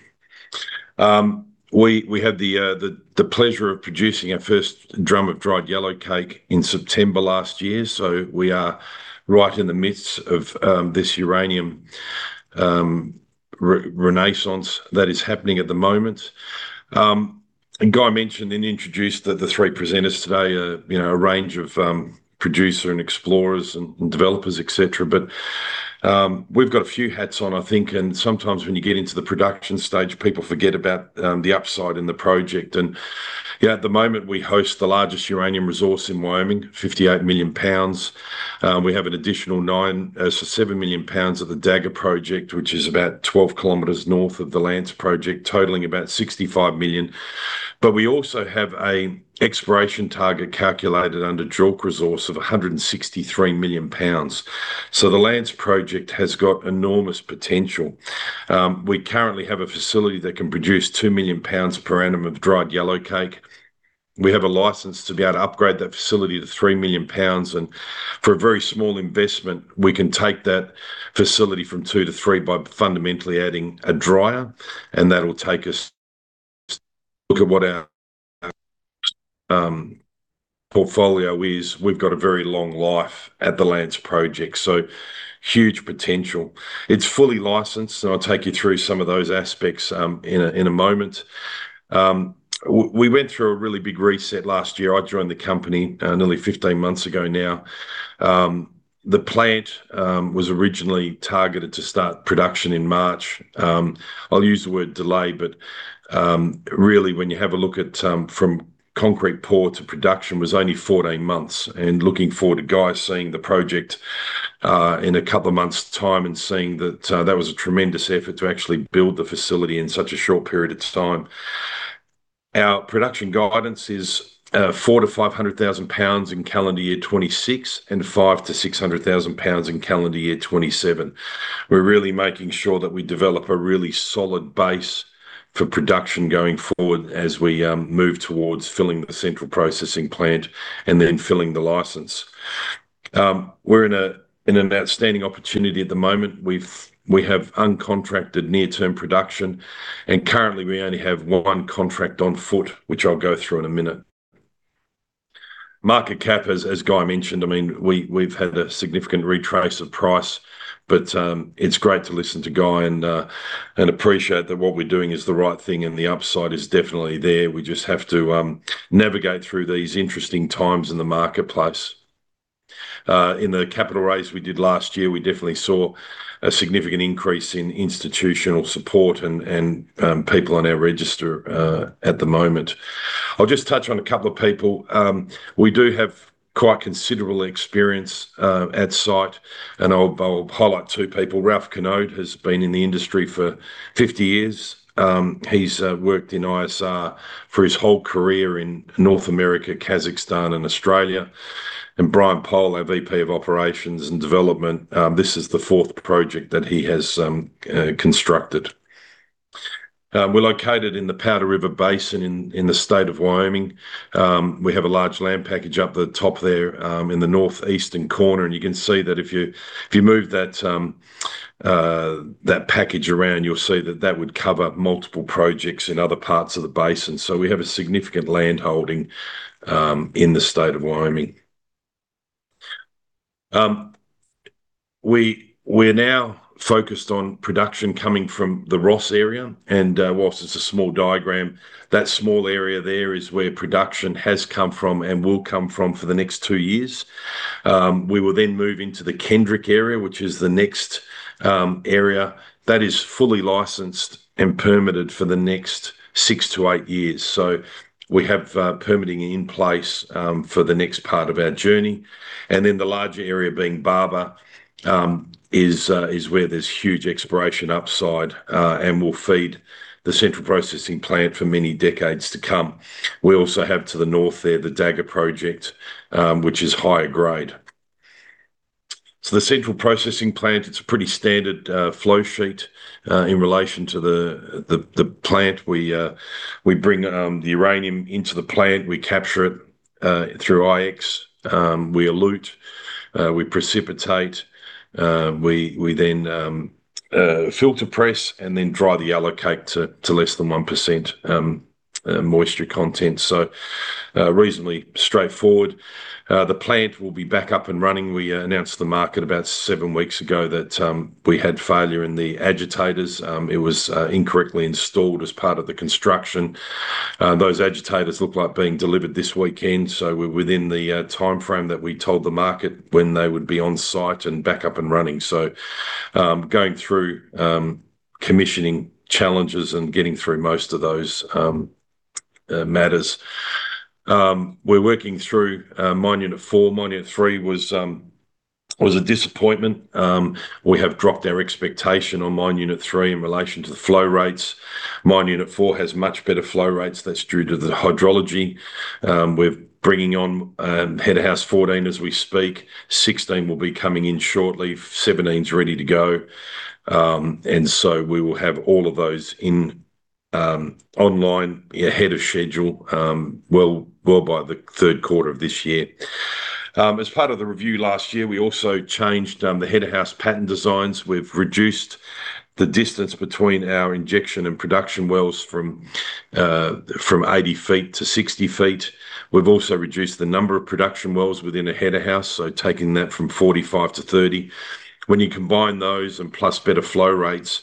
We had the pleasure of producing our first drum of dried yellowcake in September last year, so we are right in the midst of this uranium renaissance that is happening at the moment. Guy mentioned and introduced that the three presenters today are, you know, a range of producer and explorers and developers, et cetera. We've got a few hats on, I think, and sometimes when you get into the production stage, people forget about the upside in the project. You know, at the moment we host the largest uranium resource in Wyoming, 58 million pounds. We have an additional seven million pounds of the Dagger project, which is about 12 km north of the Lance project, totaling about 65 million. We also have an exploration target calculated under JORC resource of 163 million pounds. The Lance project has got enormous potential. We currently have a facility that can produce 2 million pounds per annum of dried yellowcake. We have a license to be able to upgrade that facility to 3 million pounds, and for a very small investment, we can take that facility from two to three by fundamentally adding a dryer, and that'll take us. Look at what our portfolio is. We've got a very long life at the Lance Project, so huge potential. It's fully licensed, and I'll take you through some of those aspects in a moment. We went through a really big reset last year. I joined the company nearly 15 months ago now. The plant was originally targeted to start production in March. I'll use the word delay, but really when you have a look at from concrete pour to production was only 14 months. Looking forward to guys seeing the project in a couple of months' time and seeing that that was a tremendous effort to actually build the facility in such a short period of time. Our production guidance is 400,000-500,000 pounds in calendar year 2026 and 500,000-600,000 pounds in calendar year 2027. We're really making sure that we develop a really solid base for production going forward as we move towards filling the central processing plant and then filling the license. We're in an outstanding opportunity at the moment. We have uncontracted near-term production, and currently, we only have one contract on foot, which I'll go through in a minute. Market cap, as Guy mentioned, I mean, we've had a significant retrace of price, but it's great to listen to Guy and appreciate that what we're doing is the right thing and the upside is definitely there. We just have to navigate through these interesting times in the marketplace. In the capital raise we did last year, we definitely saw a significant increase in institutional support and people on our register at the moment. I'll just touch on a couple of people. We do have quite considerable experience at site, and I'll highlight two people. Ralph Knode has been in the industry for 50 years. He's worked in ISR for his whole career in North America, Kazakhstan and Australia. Brian Pole, our VP of Operations and Development, this is the fourth project that he has constructed. We're located in the Powder River Basin in the state of Wyoming. We have a large land package up the top there in the Northeastern corner. You can see that if you move that package around, you'll see that that would cover multiple projects in other parts of the basin. We have a significant land holding in the state of Wyoming. We're now focused on production coming from the Ross area. Whilst it's a small diagram, that small area there is where production has come from and will come from for the next two years. We will then move into the Kendrick area, which is the next area. That is fully licensed and permitted for the next six to eight years. We have permitting in place for the next part of our journey. The larger area being Barber is where there's huge exploration upside and will feed the central processing plant for many decades to come. We also have to the north there the Dagger project which is higher grade. The central processing plant is a pretty standard flow sheet in relation to the plant. We bring the uranium into the plant. We capture it through IX. We elute, we precipitate. We then filter press and then dry the yellowcake to less than 1% moisture content. Reasonably straightforward. The plant will be back up and running. We announced to the market about seven weeks ago that we had failure in the agitators. It was incorrectly installed as part of the construction. Those agitators look like being delivered this weekend, so we're within the timeframe that we told the market when they would be on site and back up and running. Going through commissioning challenges and getting through most of those matters. We're working through mine unit four. Mine unit three was a disappointment. We have dropped our expectation on mine unit three in relation to the flow rates. Mine unit four has much better flow rates. That's due to the hydrology. We're bringing on header house 14 as we speak. 16 will be coming in shortly. 17's ready to go. We will have all of those online ahead of schedule by the third quarter of this year. As part of the review last year, we also changed the header house pattern designs. We've reduced the distance between our injection and production wells from 80 ft-60 ft. We've also reduced the number of production wells within a header house, so taking that from 45 to 30. When you combine those and plus better flow rates,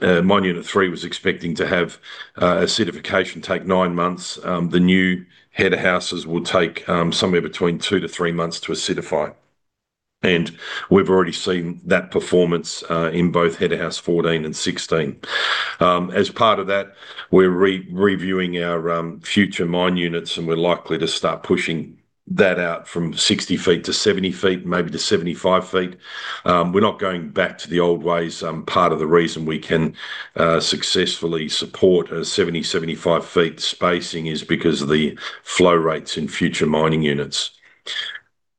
mine unit 3 was expecting to have acidification take nine months. The new header houses will take somewhere between two to three months to acidify. We've already seen that performance in both header house 14 and 16. As part of that, we're reviewing our future mine units, and we're likely to start pushing that out from 60 ft-70 ft, maybe to 75 ft. We're not going back to the old ways. Part of the reason we can successfully support a 70 ft-75 ft spacing is because of the flow rates in future mining units.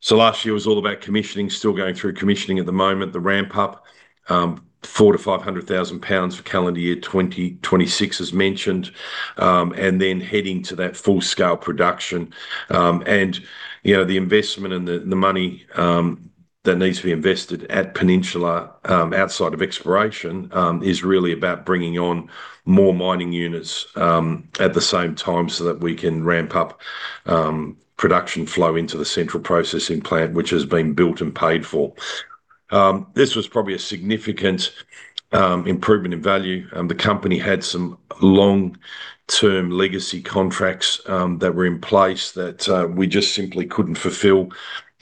Last year was all about commissioning, still going through commissioning at the moment, the ramp up, 400,000-500,000 pounds for calendar year 2026 as mentioned, and then heading to that full-scale production. You know, the investment and the money that needs to be invested at Peninsula outside of exploration is really about bringing on more mining units at the same time so that we can ramp up production flow into the central processing plant, which has been built and paid for. This was probably a significant improvement in value. The company had some long-term legacy contracts that were in place that we just simply couldn't fulfill.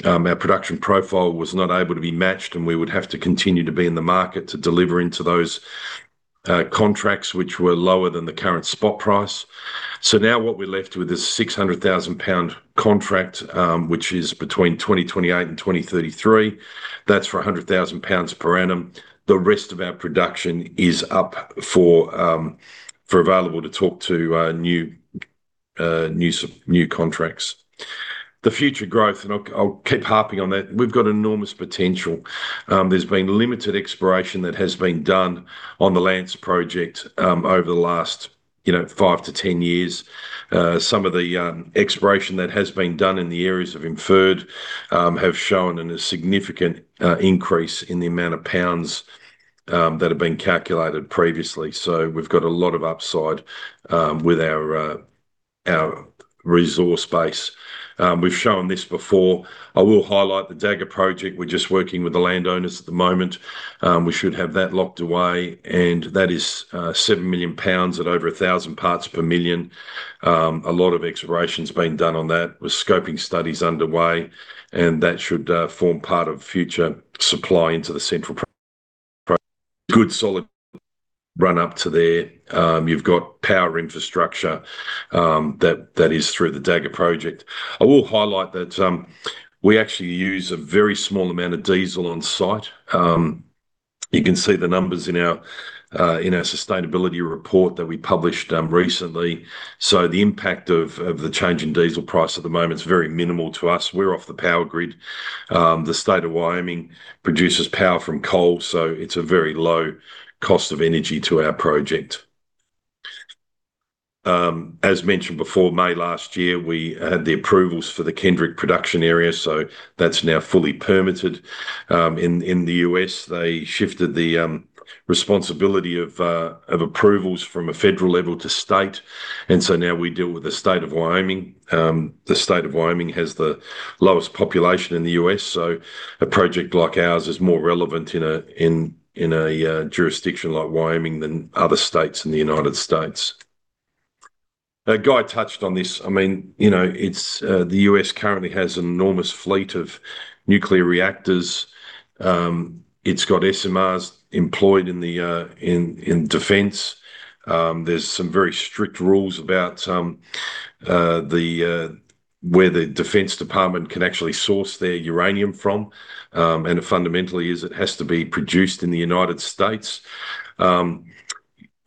Our production profile was not able to be matched, and we would have to continue to be in the market to deliver into those contracts which were lower than the current spot price. Now what we're left with is 600,000 pound contract, which is between 2028 and 2033. That's for 100,000 pounds per annum. The rest of our production is up for available to talk to new contracts. The future growth, I'll keep harping on that, we've got enormous potential. There's been limited exploration that has been done on the Lance project over the last, you know, five to 10 years. Some of the exploration that has been done in the areas of Inferred have shown a significant increase in the amount of pounds that have been calculated previously. So we've got a lot of upside with our resource base. We've shown this before. I will highlight the Dagger project. We're just working with the landowners at the moment. We should have that locked away. That is 7 million pounds at over 1,000 parts per million. A lot of exploration's been done on that with scoping studies underway, and that should form part of future supply into the central Good solid run-up to there. You've got power infrastructure that is through the Dagger project. I will highlight that we actually use a very small amount of diesel on-site. You can see the numbers in our sustainability report that we published recently. The impact of the change in diesel price at the moment is very minimal to us. We're off the power grid. The state of Wyoming produces power from coal, so it's a very low cost of energy to our project. As mentioned before, May last year, we had the approvals for the Kendrick production area, so that's now fully permitted. In the U.S., they shifted the responsibility of approvals from a federal level to state. Now we deal with the state of Wyoming. The state of Wyoming has the lowest population in the U.S., so a project like ours is more relevant in a jurisdiction like Wyoming than other states in the United States. Now Guy touched on this. I mean, you know, it's the U.S. currently has an enormous fleet of nuclear reactors. It's got SMRs employed in the defense. There's some very strict rules about where the Defense Department can actually source their uranium from. It fundamentally is. It has to be produced in the United States.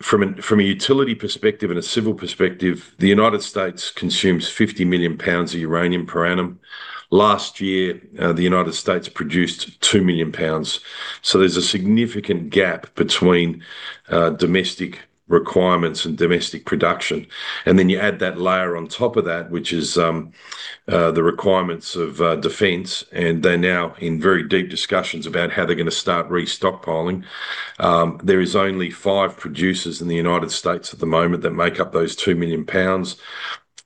From a utility perspective and a civil perspective, the United States consumes 50 million pounds of uranium per annum. Last year, the United States produced 2 million pounds. There's a significant gap between domestic requirements and domestic production. Then you add that layer on top of that, which is the requirements of defense, and they're now in very deep discussions about how they're gonna start stockpiling. There is only five producers in the United States at the moment that make up those 2 million pounds.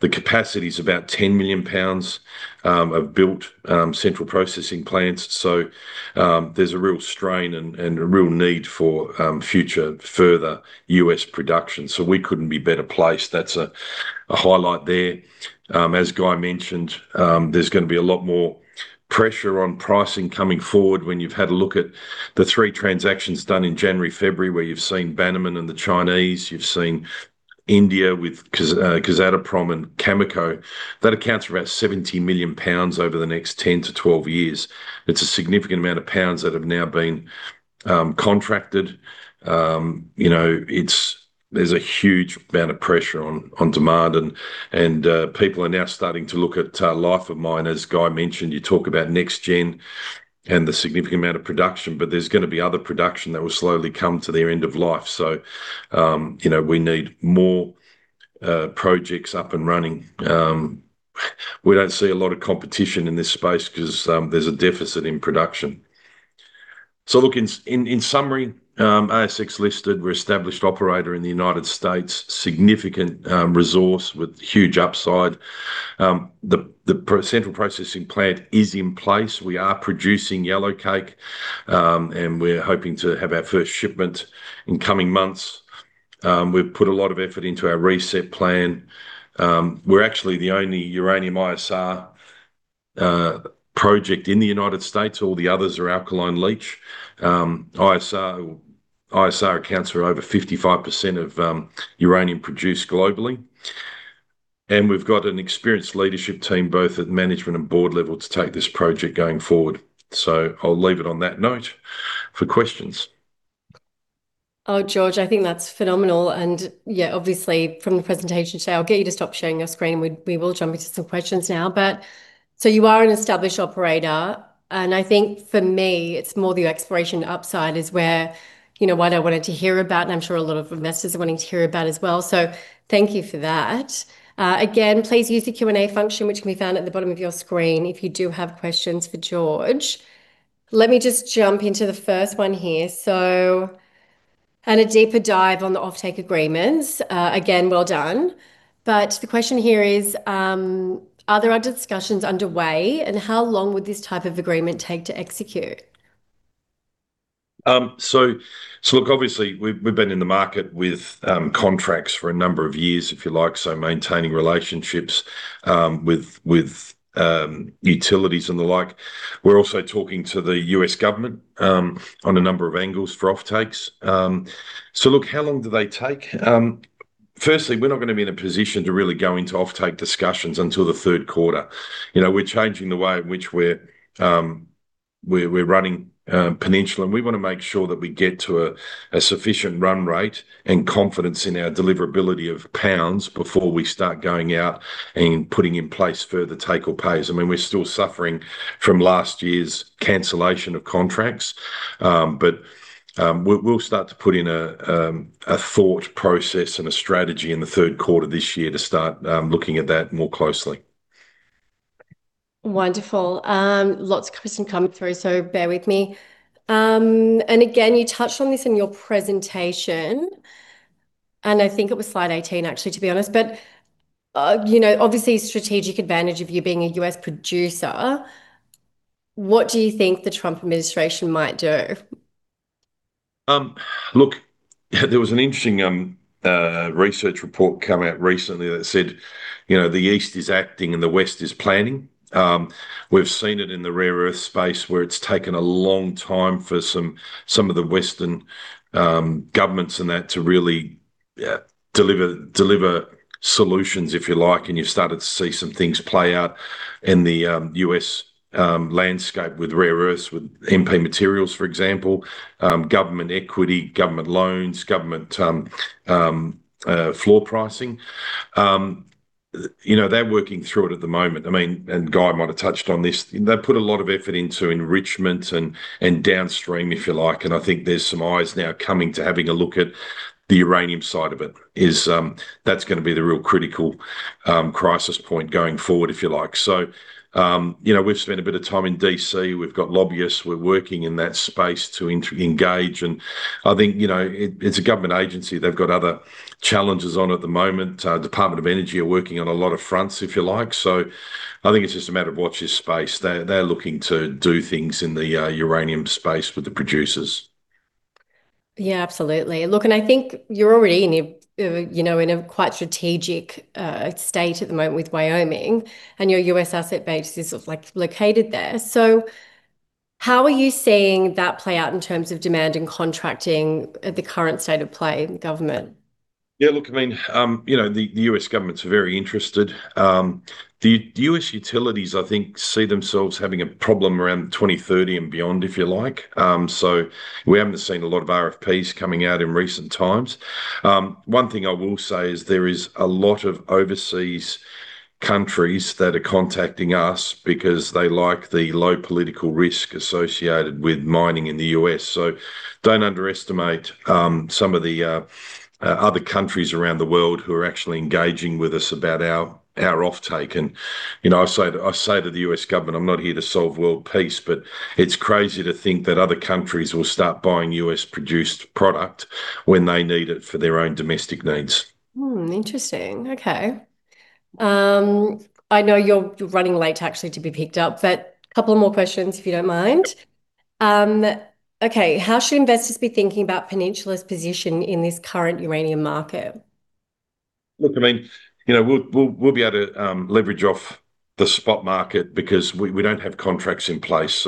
The capacity is about 10 million pounds of built central processing plants. There's a real strain and a real need for future further U.S. production. We couldn't be better placed. That's a highlight there. As Guy mentioned, there's gonna be a lot more pressure on pricing coming forward when you've had a look at the three transactions done in January, February, where you've seen Bannerman and the Chinese, you've seen India with Kazatomprom and Cameco. That accounts for about 70 million pounds over the next 10-12 years. It's a significant amount of pounds that have now been contracted. You know, it's a huge amount of pressure on demand and people are now starting to look at life of mine. As Guy mentioned, you talk about NexGen and the significant amount of production, but there's gonna be other production that will slowly come to their end of life. You know, we need more projects up and running. We don't see a lot of competition in this space 'cause there's a deficit in production. Look, in summary, ASX listed, we're established operator in the United States, significant resource with huge upside. The central processing plant is in place. We are producing yellowcake, and we're hoping to have our first shipment in coming months. We've put a lot of effort into our reset plan. We're actually the only uranium ISR project in the United States. All the others are alkaline leach. ISR accounts for over 55% of uranium produced globally. We've got an experienced leadership team, both at management and board level to take this project going forward. I'll leave it on that note for questions. Oh, George, I think that's phenomenal. Yeah, obviously from the presentation today, I'll get you to stop sharing your screen and we will jump into some questions now. You are an established operator, and I think for me it's more the exploration upside is where, you know, what I wanted to hear about, and I'm sure a lot of investors are wanting to hear about as well. Thank you for that. Again, please use the Q&A function, which can be found at the bottom of your screen if you do have questions for George. Let me just jump into the first one here. On a deeper dive on the offtake agreements, again, well done. The question here is, are there other discussions underway, and how long would this type of agreement take to execute? Look, obviously we've been in the market with contracts for a number of years, if you like, maintaining relationships with utilities and the like. We're also talking to the U.S. government on a number of angles for offtakes. Look, how long do they take? Firstly, we're not gonna be in a position to really go into offtake discussions until the third quarter. You know, we're changing the way in which we're running Peninsula, and we wanna make sure that we get to a sufficient run rate and confidence in our deliverability of pounds before we start going out and putting in place further take or pays. I mean, we're still suffering from last year's cancellation of contracts. We'll start to put in a thought process and a strategy in the third quarter this year to start looking at that more closely. Wonderful. Lots of questions coming through, so bear with me. Again, you touched on this in your presentation, and I think it was slide 18 actually, to be honest. You know, obviously strategic advantage of you being a U.S. producer, what do you think the Trump administration might do? Look, there was an interesting research report come out recently that said, you know, the East is acting and the West is planning. We've seen it in the rare earth space where it's taken a long time for some of the Western governments and that to really deliver solutions, if you like, and you're starting to see some things play out in the U.S. landscape with rare earths, with MP Materials, for example. Government equity, government loans, government floor pricing. You know, they're working through it at the moment. I mean, Guy might have touched on this. They put a lot of effort into enrichment and downstream, if you like, and I think there's some eyes now coming to having a look at the uranium side of it. That's gonna be the real critical crisis point going forward, if you like. You know, we've spent a bit of time in D.C. We've got lobbyists. We're working in that space to inter-engage, and I think, you know, it's a government agency. They've got other challenges on at the moment. Department of Energy are working on a lot of fronts, if you like. I think it's just a matter of watch this space. They're looking to do things in the uranium space with the producers. Yeah, absolutely. Look, I think you're already in a, you know, in a quite strategic state at the moment with Wyoming, and your U.S. asset base is, like, located there. How are you seeing that play out in terms of demand and contracting at the current state of play in government? Yeah, look, I mean, you know, the U.S. government's very interested. The U.S. utilities I think see themselves having a problem around 2030 and beyond, if you like. We haven't seen a lot of RFPs coming out in recent times. One thing I will say is there is a lot of overseas countries that are contacting us because they like the low political risk associated with mining in the U.S. Don't underestimate some of the other countries around the world who are actually engaging with us about our offtake. You know, I say to the U.S. government, "I'm not here to solve world peace," but it's crazy to think that other countries will start buying U.S.-produced product when they need it for their own domestic needs. Interesting. Okay. I know you're running late actually to be picked up, but couple more questions if you don't mind. Okay, how should investors be thinking about Peninsula's position in this current uranium market? Look, I mean, you know, we'll be able to leverage off the spot market because we don't have contracts in place.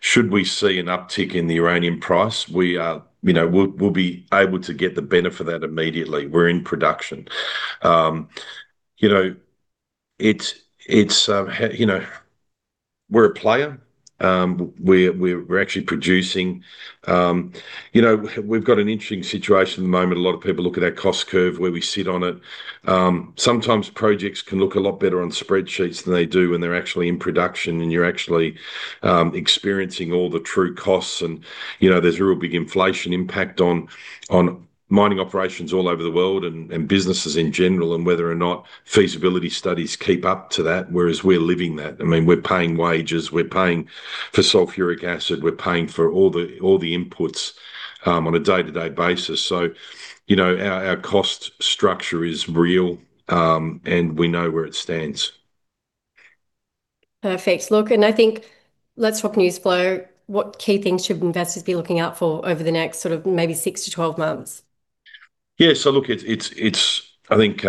Should we see an uptick in the uranium price, we you know, we'll be able to get the benefit of that immediately. We're in production. You know, it's you know, we're a player. We're actually producing. You know, we've got an interesting situation at the moment. A lot of people look at our cost curve, where we sit on it. Sometimes projects can look a lot better on spreadsheets than they do when they're actually in production and you're actually experiencing all the true costs and, you know, there's a real big inflation impact on mining operations all over the world and businesses in general and whether or not feasibility studies keep up to that, whereas we're living that. I mean, we're paying wages. We're paying for sulfuric acid. We're paying for all the inputs on a day-to-day basis. You know, our cost structure is real and we know where it stands. Perfect. Look, I think let's talk news flow. What key things should investors be looking out for over the next sort of maybe six to 12 months? Yeah. Look, it's I think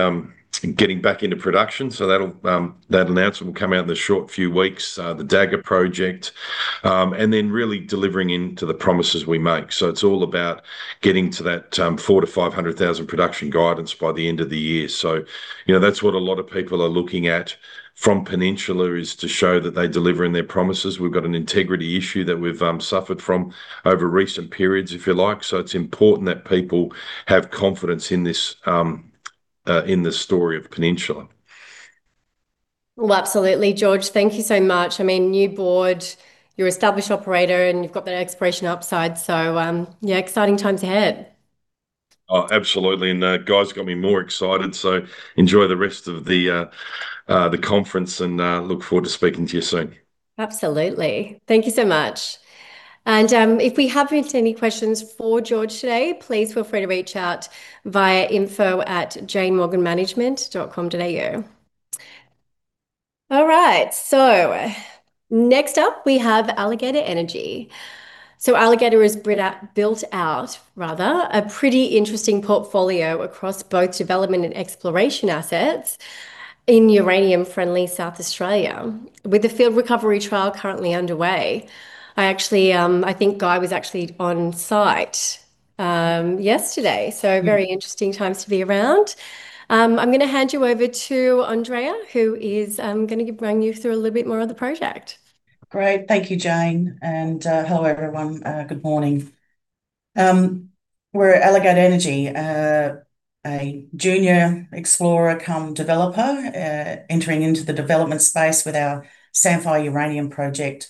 getting back into production, so that announcement will come out in the short few weeks, the Dagger Project. And then really delivering into the promises we make. It's all about getting to that 400,000-500,000 production guidance by the end of the year. You know, that's what a lot of people are looking at from Peninsula is to show that they're delivering their promises. We've got an integrity issue that we've suffered from over recent periods, if you like. It's important that people have confidence in this, in the story of Peninsula. Well, absolutely, George. Thank you so much. I mean, new board, you're an established operator, and you've got that exploration upside. Yeah, exciting times ahead. Oh, absolutely. Guy's got me more excited, so enjoy the rest of the conference and look forward to speaking to you soon. Absolutely. Thank you so much. If we haven't answered any questions for George today, please feel free to reach out via info@janemorganmanagement.com.au. All right, next up we have Alligator Energy. Alligator has built out, rather, a pretty interesting portfolio across both development and exploration assets in uranium-friendly South Australia. With the field recovery trial currently underway, I actually think Guy was actually on site yesterday, so very interesting times to be around. I'm gonna hand you over to Andrea, who is gonna run you through a little bit more of the project. Great. Thank you, Jane. Hello, everyone. Good morning. We're Alligator Energy, a junior explorer cum developer, entering into the development space with our Samphire Uranium Project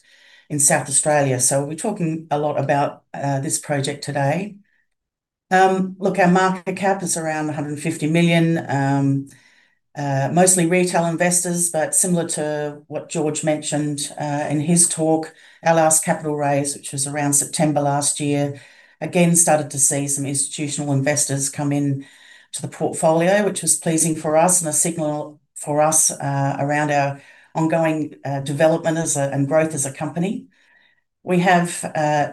in South Australia. We're talking a lot about this project today. Look, our market cap is around 150 million. Mostly retail investors, but similar to what George mentioned in his talk, our last capital raise, which was around September last year, again started to see some institutional investors come in to the portfolio, which was pleasing for us and a signal for us around our ongoing development as a, and growth as a company. We have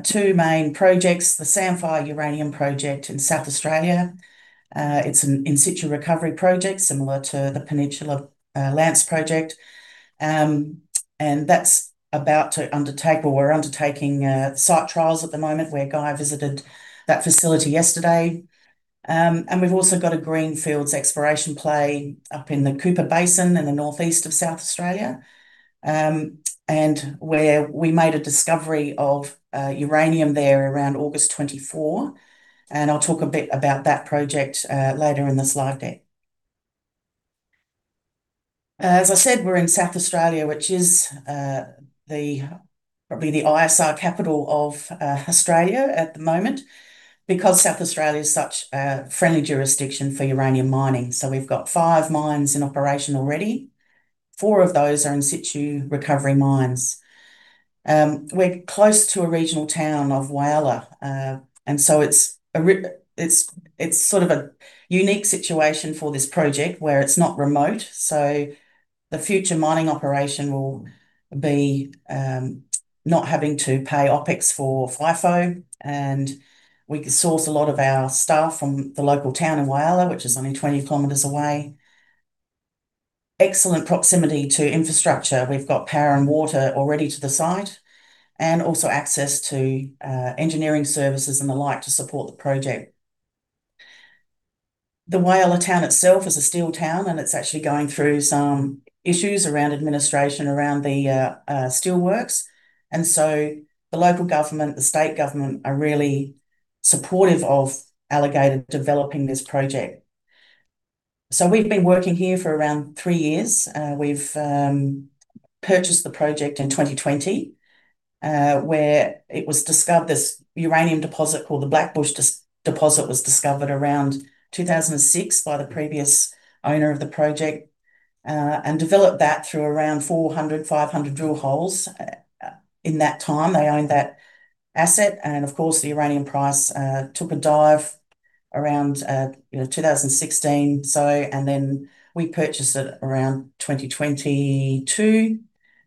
two main projects, the Samphire Uranium Project in South Australia. It's an in-situ recovery project similar to the Peninsula Lance Project. That's about to undertake, or we're undertaking, site trials at the moment, where Guy visited that facility yesterday. We've also got a greenfields exploration play up in the Cooper Basin in the Northeast of South Australia. Where we made a discovery of uranium there around August 2024, and I'll talk a bit about that project later in the slide deck. As I said, we're in South Australia, which is probably the ISR capital of Australia at the moment because South Australia's such a friendly jurisdiction for uranium mining. We've got five mines in operation already. Four of those are in-situ recovery mines. We're close to a regional town of Whyalla, and it's sort of a unique situation for this project where it's not remote, so the future mining operation will be not having to pay OPEX for FIFO, and we can source a lot of our staff from the local town in Whyalla, which is only 20 km away. Excellent proximity to infrastructure. We've got power and water already to the site, and also access to engineering services and the like to support the project. The Whyalla town itself is a steel town, and it's actually going through some issues around administration around the steelworks. The local government, the state government, are really supportive of Alligator developing this project. We've been working here for around three years. We've purchased the project in 2020, where it was discovered this uranium deposit called the Blackbush Deposit was discovered around 2006 by the previous owner of the project and developed that through around 400-500 drill holes. In that time, they owned that asset and of course the uranium price took a dive around, you know, 2016. And then we purchased it around 2022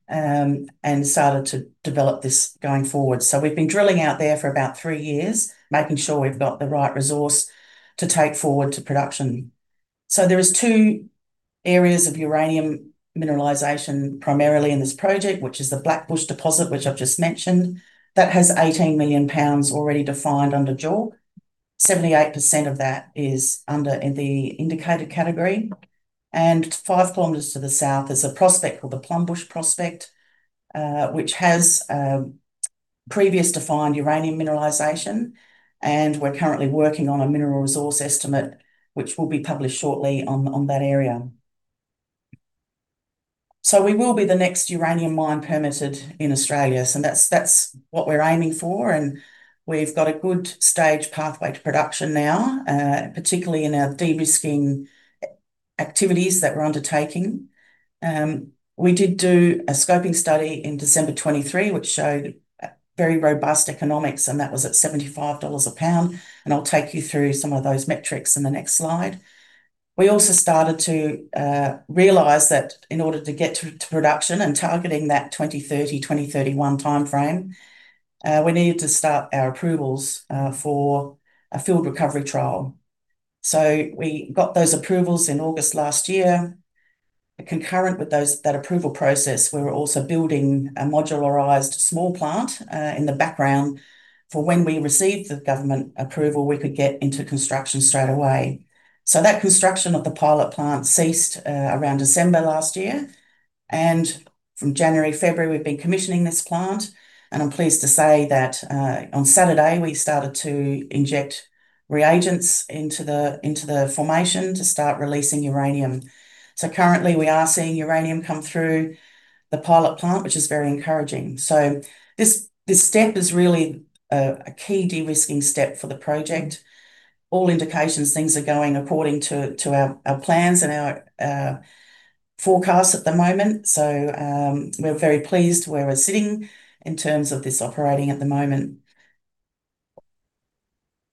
and started to develop this going forward. We've been drilling out there for about three years, making sure we've got the right resource to take forward to production. There is two areas of uranium mineralization primarily in this project, which is the Blackbush Deposit, which I've just mentioned. That has 18 million pounds already defined under JORC. 78% of that is in the indicated category, and 5 km to the south is a prospect called the Plumbush Prospect, which has previously defined uranium mineralization, and we're currently working on a mineral resource estimate, which will be published shortly on that area. We will be the next uranium mine permitted in Australia. That's what we're aiming for, and we've got a good staged pathway to production now, particularly in our de-risking activities that we're undertaking. We did do a scoping study in December 2023, which showed very robust economics, and that was at $75 a pound, and I'll take you through some of those metrics in the next slide. We also started to realize that in order to get to production and targeting that 2030, 2031 timeframe, we needed to start our approvals for a field recovery trial. We got those approvals in August last year. Concurrent with that approval process, we were also building a modularized small plant in the background for when we received the government approval, we could get into construction straight away. That construction of the pilot plant ceased around December last year, and from January, February, we've been commissioning this plant, and I'm pleased to say that on Saturday we started to inject reagents into the formation to start releasing uranium. Currently we are seeing uranium come through the pilot plant, which is very encouraging. This step is really a key de-risking step for the project. All indications things are going according to our plans and our forecasts at the moment. We're very pleased where we're sitting in terms of this operation at the moment.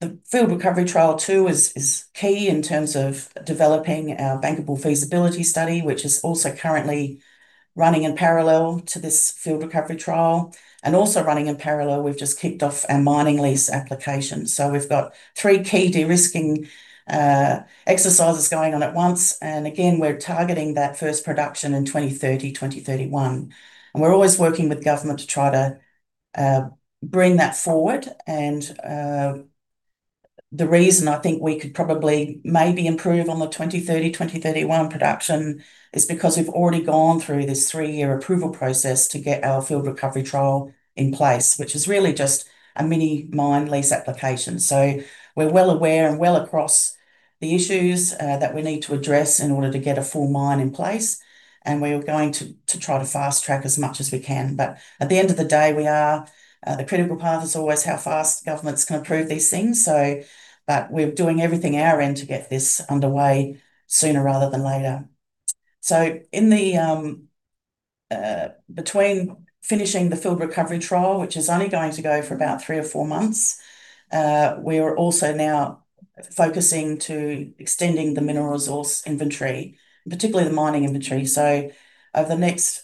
The field recovery trial too is key in terms of developing our bankable feasibility study, which is also currently running in parallel to this field recovery trial. Also running in parallel, we've just kicked off our mining lease application. We've got three key de-risking exercises going on at once, and again, we're targeting that first production in 2030, 2031. We're always working with government to try to bring that forward, and the reason I think we could probably maybe improve on the 2030-2031 production is because we've already gone through this three-year approval process to get our field recovery trial in place, which is really just a mini mine lease application. We're well aware and well across the issues that we need to address in order to get a full mine in place, and we're going to try to fast-track as much as we can. At the end of the day, the critical path is always how fast governments can approve these things, so we're doing everything on our end to get this underway sooner rather than later. Between finishing the field recovery trial, which is only going to go for about three or four months, we're also now focusing to extending the mineral resource inventory, particularly the mining inventory. Over the next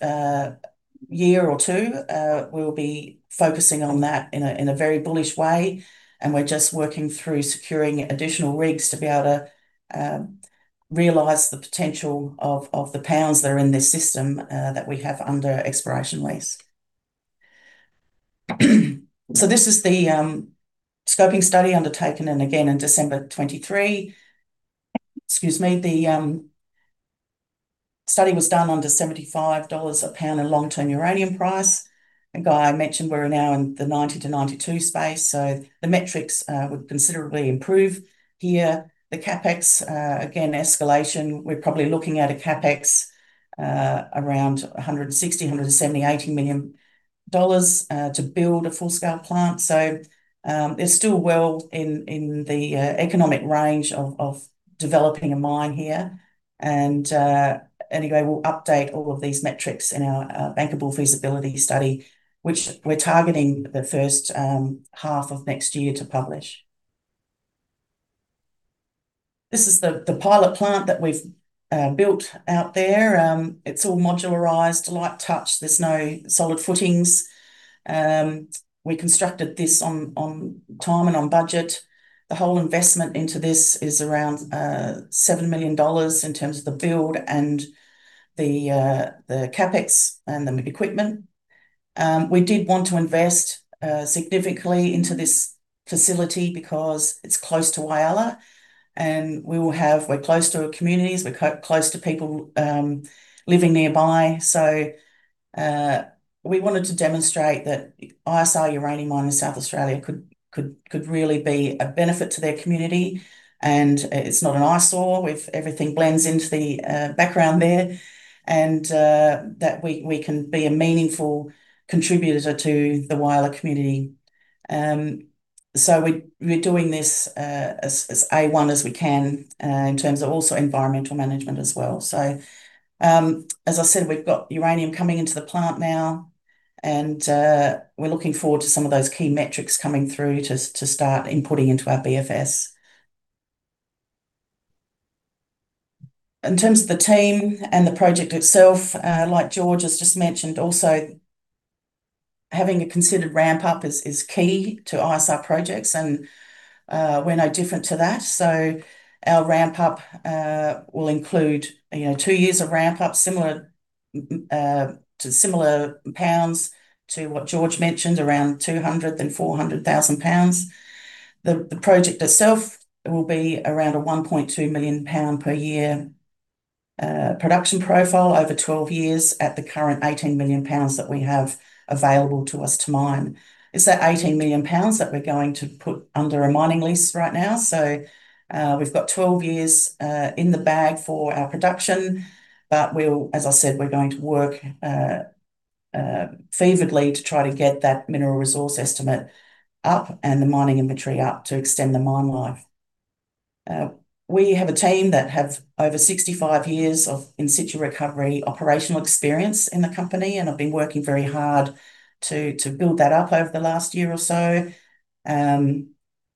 year or two, we'll be focusing on that in a very bullish way, and we're just working through securing additional rigs to be able to realize the potential of the pounds that are in this system that we have under exploration lease. This is the scoping study undertaken again in December 2023. Excuse me. The study was done under $75 a pound in long-term uranium price, and Guy mentioned we're now in the $90-$92 space, so the metrics would considerably improve here. The CapEx again escalation, we're probably looking at a CapEx around 160 million-180 million dollars to build a full-scale plant. It's still well in the economic range of developing a mine here and anyway, we'll update all of these metrics in our bankable feasibility study, which we're targeting the first half of next year to publish. This is the pilot plant that we've built out there. It's all modularized, light touch. There's no solid footings. We constructed this on time and on budget. The whole investment into this is around 7 million dollars in terms of the build and the CapEx and the equipment. We did want to invest significantly into this facility because it's close to Whyalla, and we will have... We're close to communities, we're close to people living nearby. We wanted to demonstrate that ISR uranium mine in South Australia could really be a benefit to their community and it's not an eyesore. Everything blends into the background there and that we can be a meaningful contributor to the Whyalla community. We're doing this as A-1 as we can in terms of also environmental management as well. As I said, we've got uranium coming into the plant now and we're looking forward to some of those key metrics coming through to start inputting into our BFS. In terms of the team and the project itself, like George has just mentioned, also having a considered ramp-up is key to ISR projects and we're no different to that. Our ramp-up will include you know two years of ramp-up similar to similar pounds to what George mentioned around 200,000 then 400,000 pounds. The project itself will be around a 1.2 million pound per year production profile over 12 years at the current 18 million pounds that we have available to us to mine. It's that 18 million pounds that we're going to put under a mining lease right now. We've got 12 years in the bag for our production, but as I said, we're going to work feverishly to try to get that mineral resource estimate up and the mining inventory up to extend the mine life. We have a team that have over 65 years of in-situ recovery operational experience in the company, and have been working very hard to build that up over the last year or so.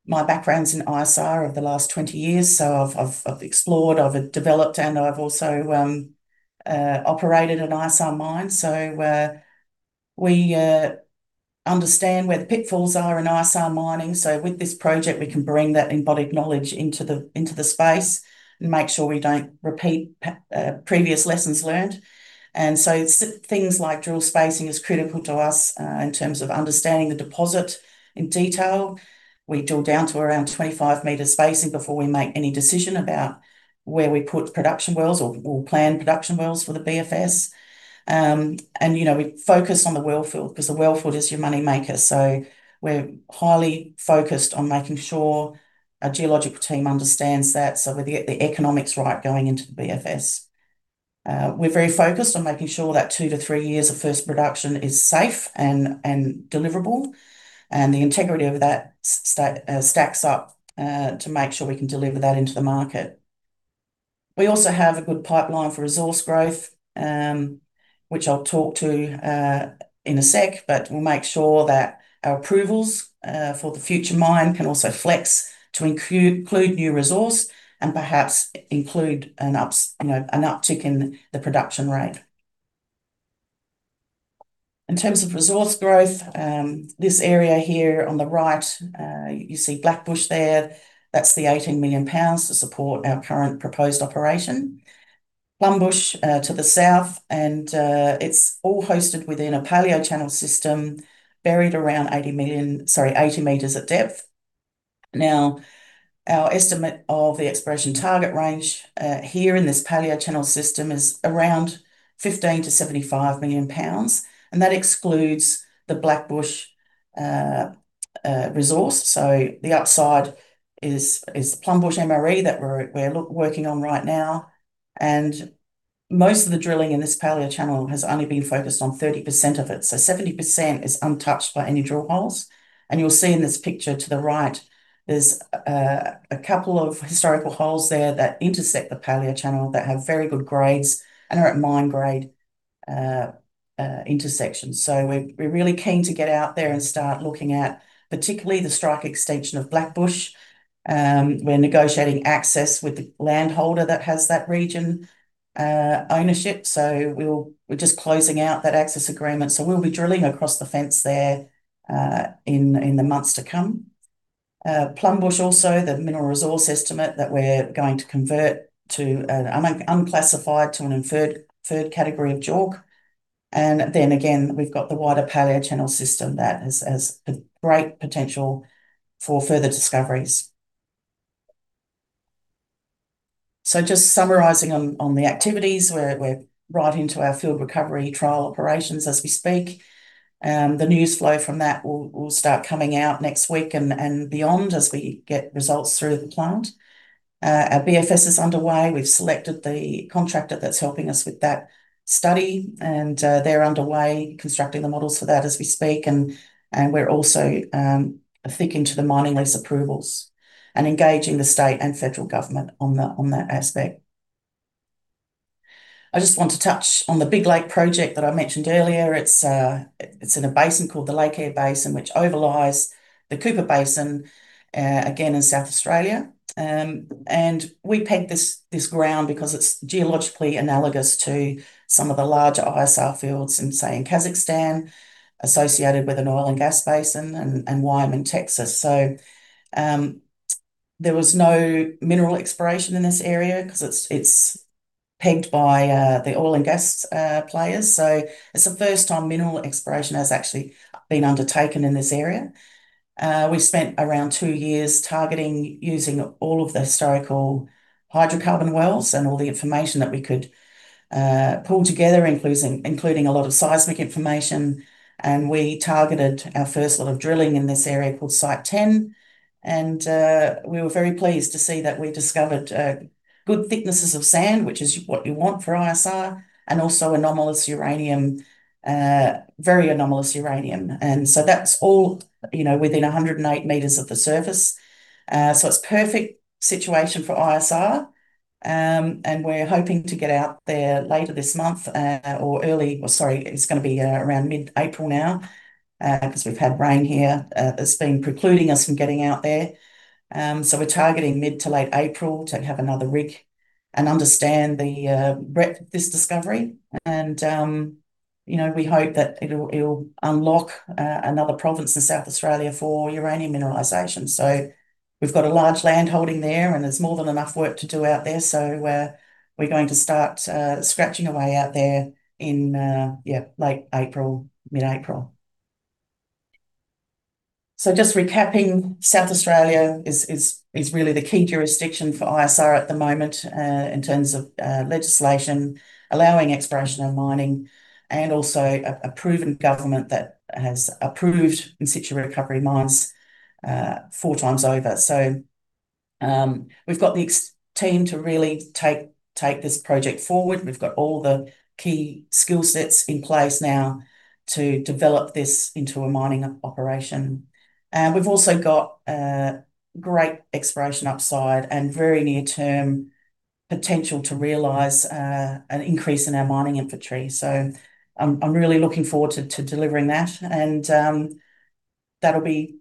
My background's in ISR over the last 20 years, so I've explored, I've developed, and I've also operated an ISR mine. We understand where the pitfalls are in ISR mining, so with this project, we can bring that embodied knowledge into the space and make sure we don't repeat previous lessons learned. Things like drill spacing is critical to us in terms of understanding the deposit in detail. We drill down to around 25 m spacing before we make any decision about where we put production wells or plan production wells for the BFS. You know, we focus on the well field 'cause the well field is your money maker. We're highly focused on making sure our geological team understands that so we get the economics right going into the BFS. We're very focused on making sure that two to three years of first production is safe and deliverable, and the integrity of that stacks up to make sure we can deliver that into the market. We also have a good pipeline for resource growth, which I'll talk to in a sec, but we'll make sure that our approvals for the future mine can also flex to include new resource and perhaps include you know, an uptick in the production rate. In terms of resource growth, this area here on the right, you see Blackbush there. That's the 18 million pounds to support our current proposed operation. Plumbush to the south and it's all hosted within a paleochannel system buried around 80 m at depth. Now, our estimate of the exploration target range here in this paleochannel system is around 15 million-75 million pounds, and that excludes the Blackbush resource. The upside is Plumbush MRE that we're working on right now. Most of the drilling in this paleochannel has only been focused on 30% of it, so 70% is untouched by any drill holes. You'll see in this picture to the right, there's a couple of historical holes there that intersect the paleochannel that have very good grades and are at mine grade intersections. We're really keen to get out there and start looking at particularly the strike extension of Blackbush. We're negotiating access with the land holder that has that region ownership, so we're just closing out that access agreement. We'll be drilling across the fence there in the months to come. Plumbush also, the mineral resource estimate that we're going to convert to an unclassified to an inferred third category of JORC. Then again, we've got the wider paleochannel system that has a great potential for further discoveries. Just summarizing on the activities, we're right into our field recovery trial operations as we speak. The news flow from that will start coming out next week and beyond as we get results through the plant. Our BFS is underway. We've selected the contractor that's helping us with that study and they're underway constructing the models for that as we speak. We're also looking to the mining lease approvals and engaging the state and federal government on that aspect. I just want to touch on the Big Lake project that I mentioned earlier. It's in a basin called the Lake Eyre Basin, which overlies the Cooper Basin, again in South Australia. We pegged this ground because it's geologically analogous to some of the larger ISR fields in, say, Kazakhstan, associated with an oil and gas basin, and Wyoming, Texas. There was no mineral exploration in this area because it's pegged by the oil and gas players. It's the first time mineral exploration has actually been undertaken in this area. We've spent around two years targeting using all of the historical hydrocarbon wells and all the information that we could pull together, including a lot of seismic information, and we targeted our first lot of drilling in this area called Site 10. We were very pleased to see that we discovered good thicknesses of sand, which is what you want for ISR, and also anomalous uranium, very anomalous uranium. That's all, you know, within 108 m of the surface. It's a perfect situation for ISR, and we're hoping to get out there later this month, it's gonna be around mid-April now, because we've had rain here, that's been precluding us from getting out there. We're targeting mid to late April to have another rig and understand the breadth of this discovery. You know, we hope that it'll unlock another province in South Australia for uranium mineralization. We've got a large land holding there, and there's more than enough work to do out there, we're going to start scratching away out there in late April, mid-April. Just recapping, South Australia is really the key jurisdiction for ISR at the moment in terms of legislation allowing exploration and mining, and also a proven government that has approved in-situ recovery mines four times over. We've got the exec team to really take this project forward. We've got all the key skillsets in place now to develop this into a mining operation. We've also got great exploration upside and very near-term potential to realize an increase in our mining inventory. I'm really looking forward to delivering that. That'll be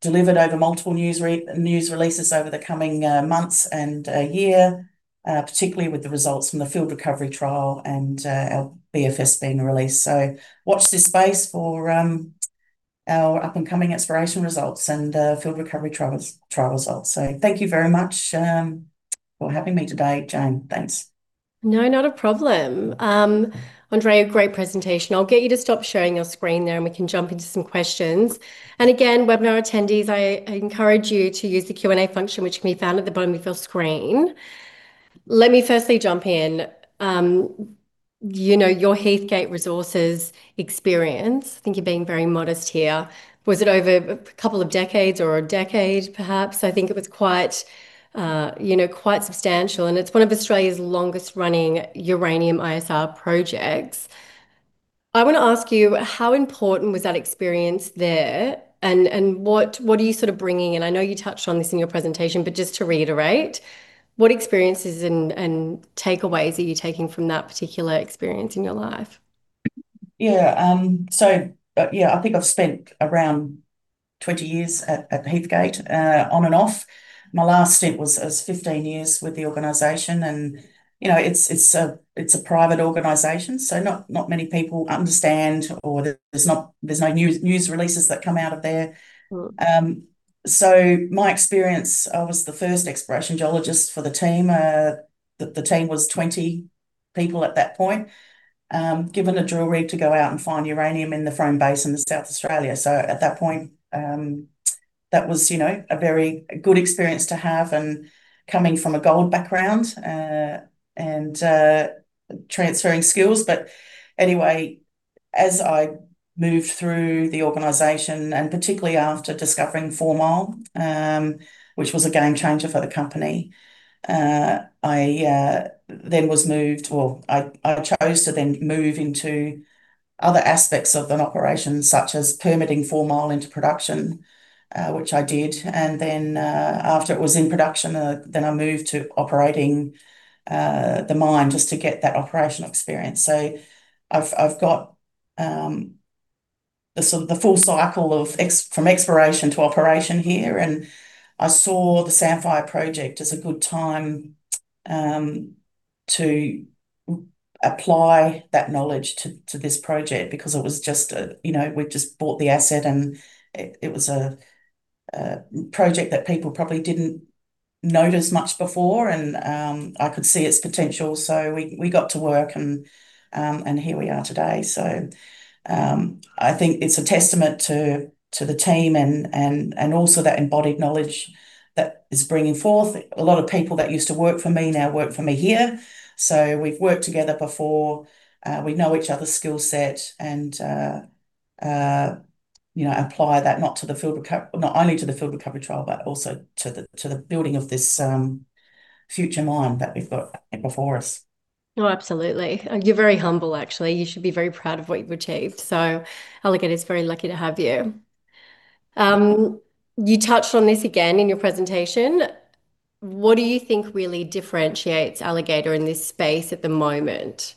delivered over multiple news releases over the coming months and year. Particularly with the results from the field recovery trial and our BFS being released. Watch this space for our up-and-coming exploration results and field recovery trial results. Thank you very much for having me today, Jane. Thanks. No, not a problem. Andrea, great presentation. I'll get you to stop sharing your screen now and we can jump into some questions. Again, webinar attendees, I encourage you to use the Q&A function which can be found at the bottom of your screen. Let me first jump in. You know, your Heathgate Resources experience, I think you're being very modest here. Was it over a couple of decades or a decade perhaps? I think it was quite, you know, quite substantial, and it's one of Australia's longest running uranium ISR projects. I want to ask you, how important was that experience there and what are you sort of bringing? I know you touched on this in your presentation, but just to reiterate, what experiences and takeaways are you taking from that particular experience in your life? I think I've spent around 20 years at Heathgate on and off. My last stint was 15 years with the organization and, you know, it's a private organization, so not many people understand or there's no news releases that come out of there. Mm. My experience, I was the first exploration geologist for the team. The team was 20 people at that point, given a drill rig to go out and find uranium in the Frome Basin in South Australia. At that point, that was, you know, a very good experience to have and coming from a gold background, and transferring skills. Anyway, as I moved through the organization, and particularly after discovering Four Mile, which was a game changer for the company, I then was moved, or I chose to then move into other aspects of the operation such as permitting Four Mile into production, which I did. After it was in production, I moved to operating the mine just to get that operational experience. I've got the sort of full cycle from exploration to operation here, and I saw the Samphire project as a good time to apply that knowledge to this project because, you know, we'd just bought the asset and it was a project that people probably didn't notice much before and I could see its potential. We got to work and here we are today. I think it's a testament to the team and also that embodied knowledge that is bringing forth. A lot of people that used to work for me now work for me here. We've worked together before. We know each other's skill set and, you know, apply that not only to the field recovery trial, but also to the building of this future mine that we've got before us. Oh, absolutely. You're very humble, actually. You should be very proud of what you've achieved. Alligator's very lucky to have you. You touched on this again in your presentation. What do you think really differentiates Alligator in this space at the moment?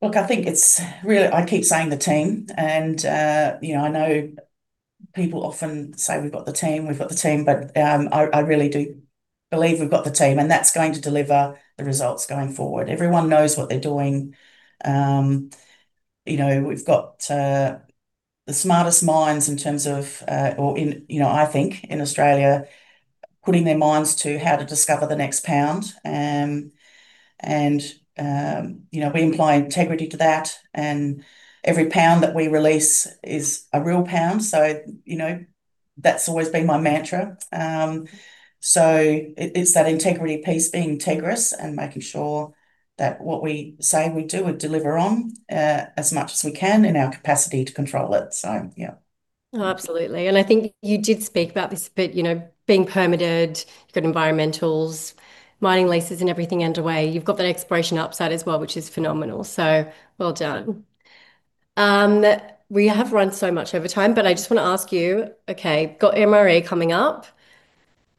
Look, I think it's really. I keep saying the team and, you know, I know people often say we've got the team, but I really do believe we've got the team, and that's going to deliver the results going forward. Everyone knows what they're doing. You know, we've got the smartest minds in terms of, you know, I think, in Australia, putting their minds to how to discover the next pound. You know, we apply integrity to that, and every pound that we release is a real pound. That's always been my mantra. It's that integrity piece, being integrous and making sure that what we say we do, we deliver on, as much as we can in our capacity to control it. Yeah. Oh, absolutely. I think you did speak about this a bit, you know, being permitted, you've got environmentals, mining leases and everything underway. You've got that exploration upside as well, which is phenomenal. Well done. We have run so much over time, but I just want to ask you, okay, got MRE coming up.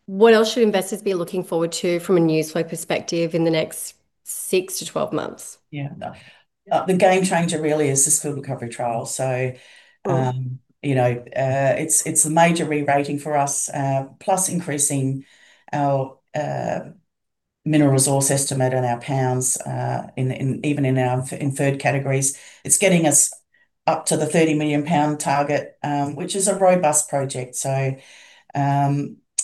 What else should investors be looking forward to from a news flow perspective in the next six to 12 months? Yeah. The game changer really is this field recovery trial. Mm You know, it's a major rerating for us, plus increasing our mineral resource estimate and our pounds in even our inferred categories. It's getting us up to the 30 million pound target, which is a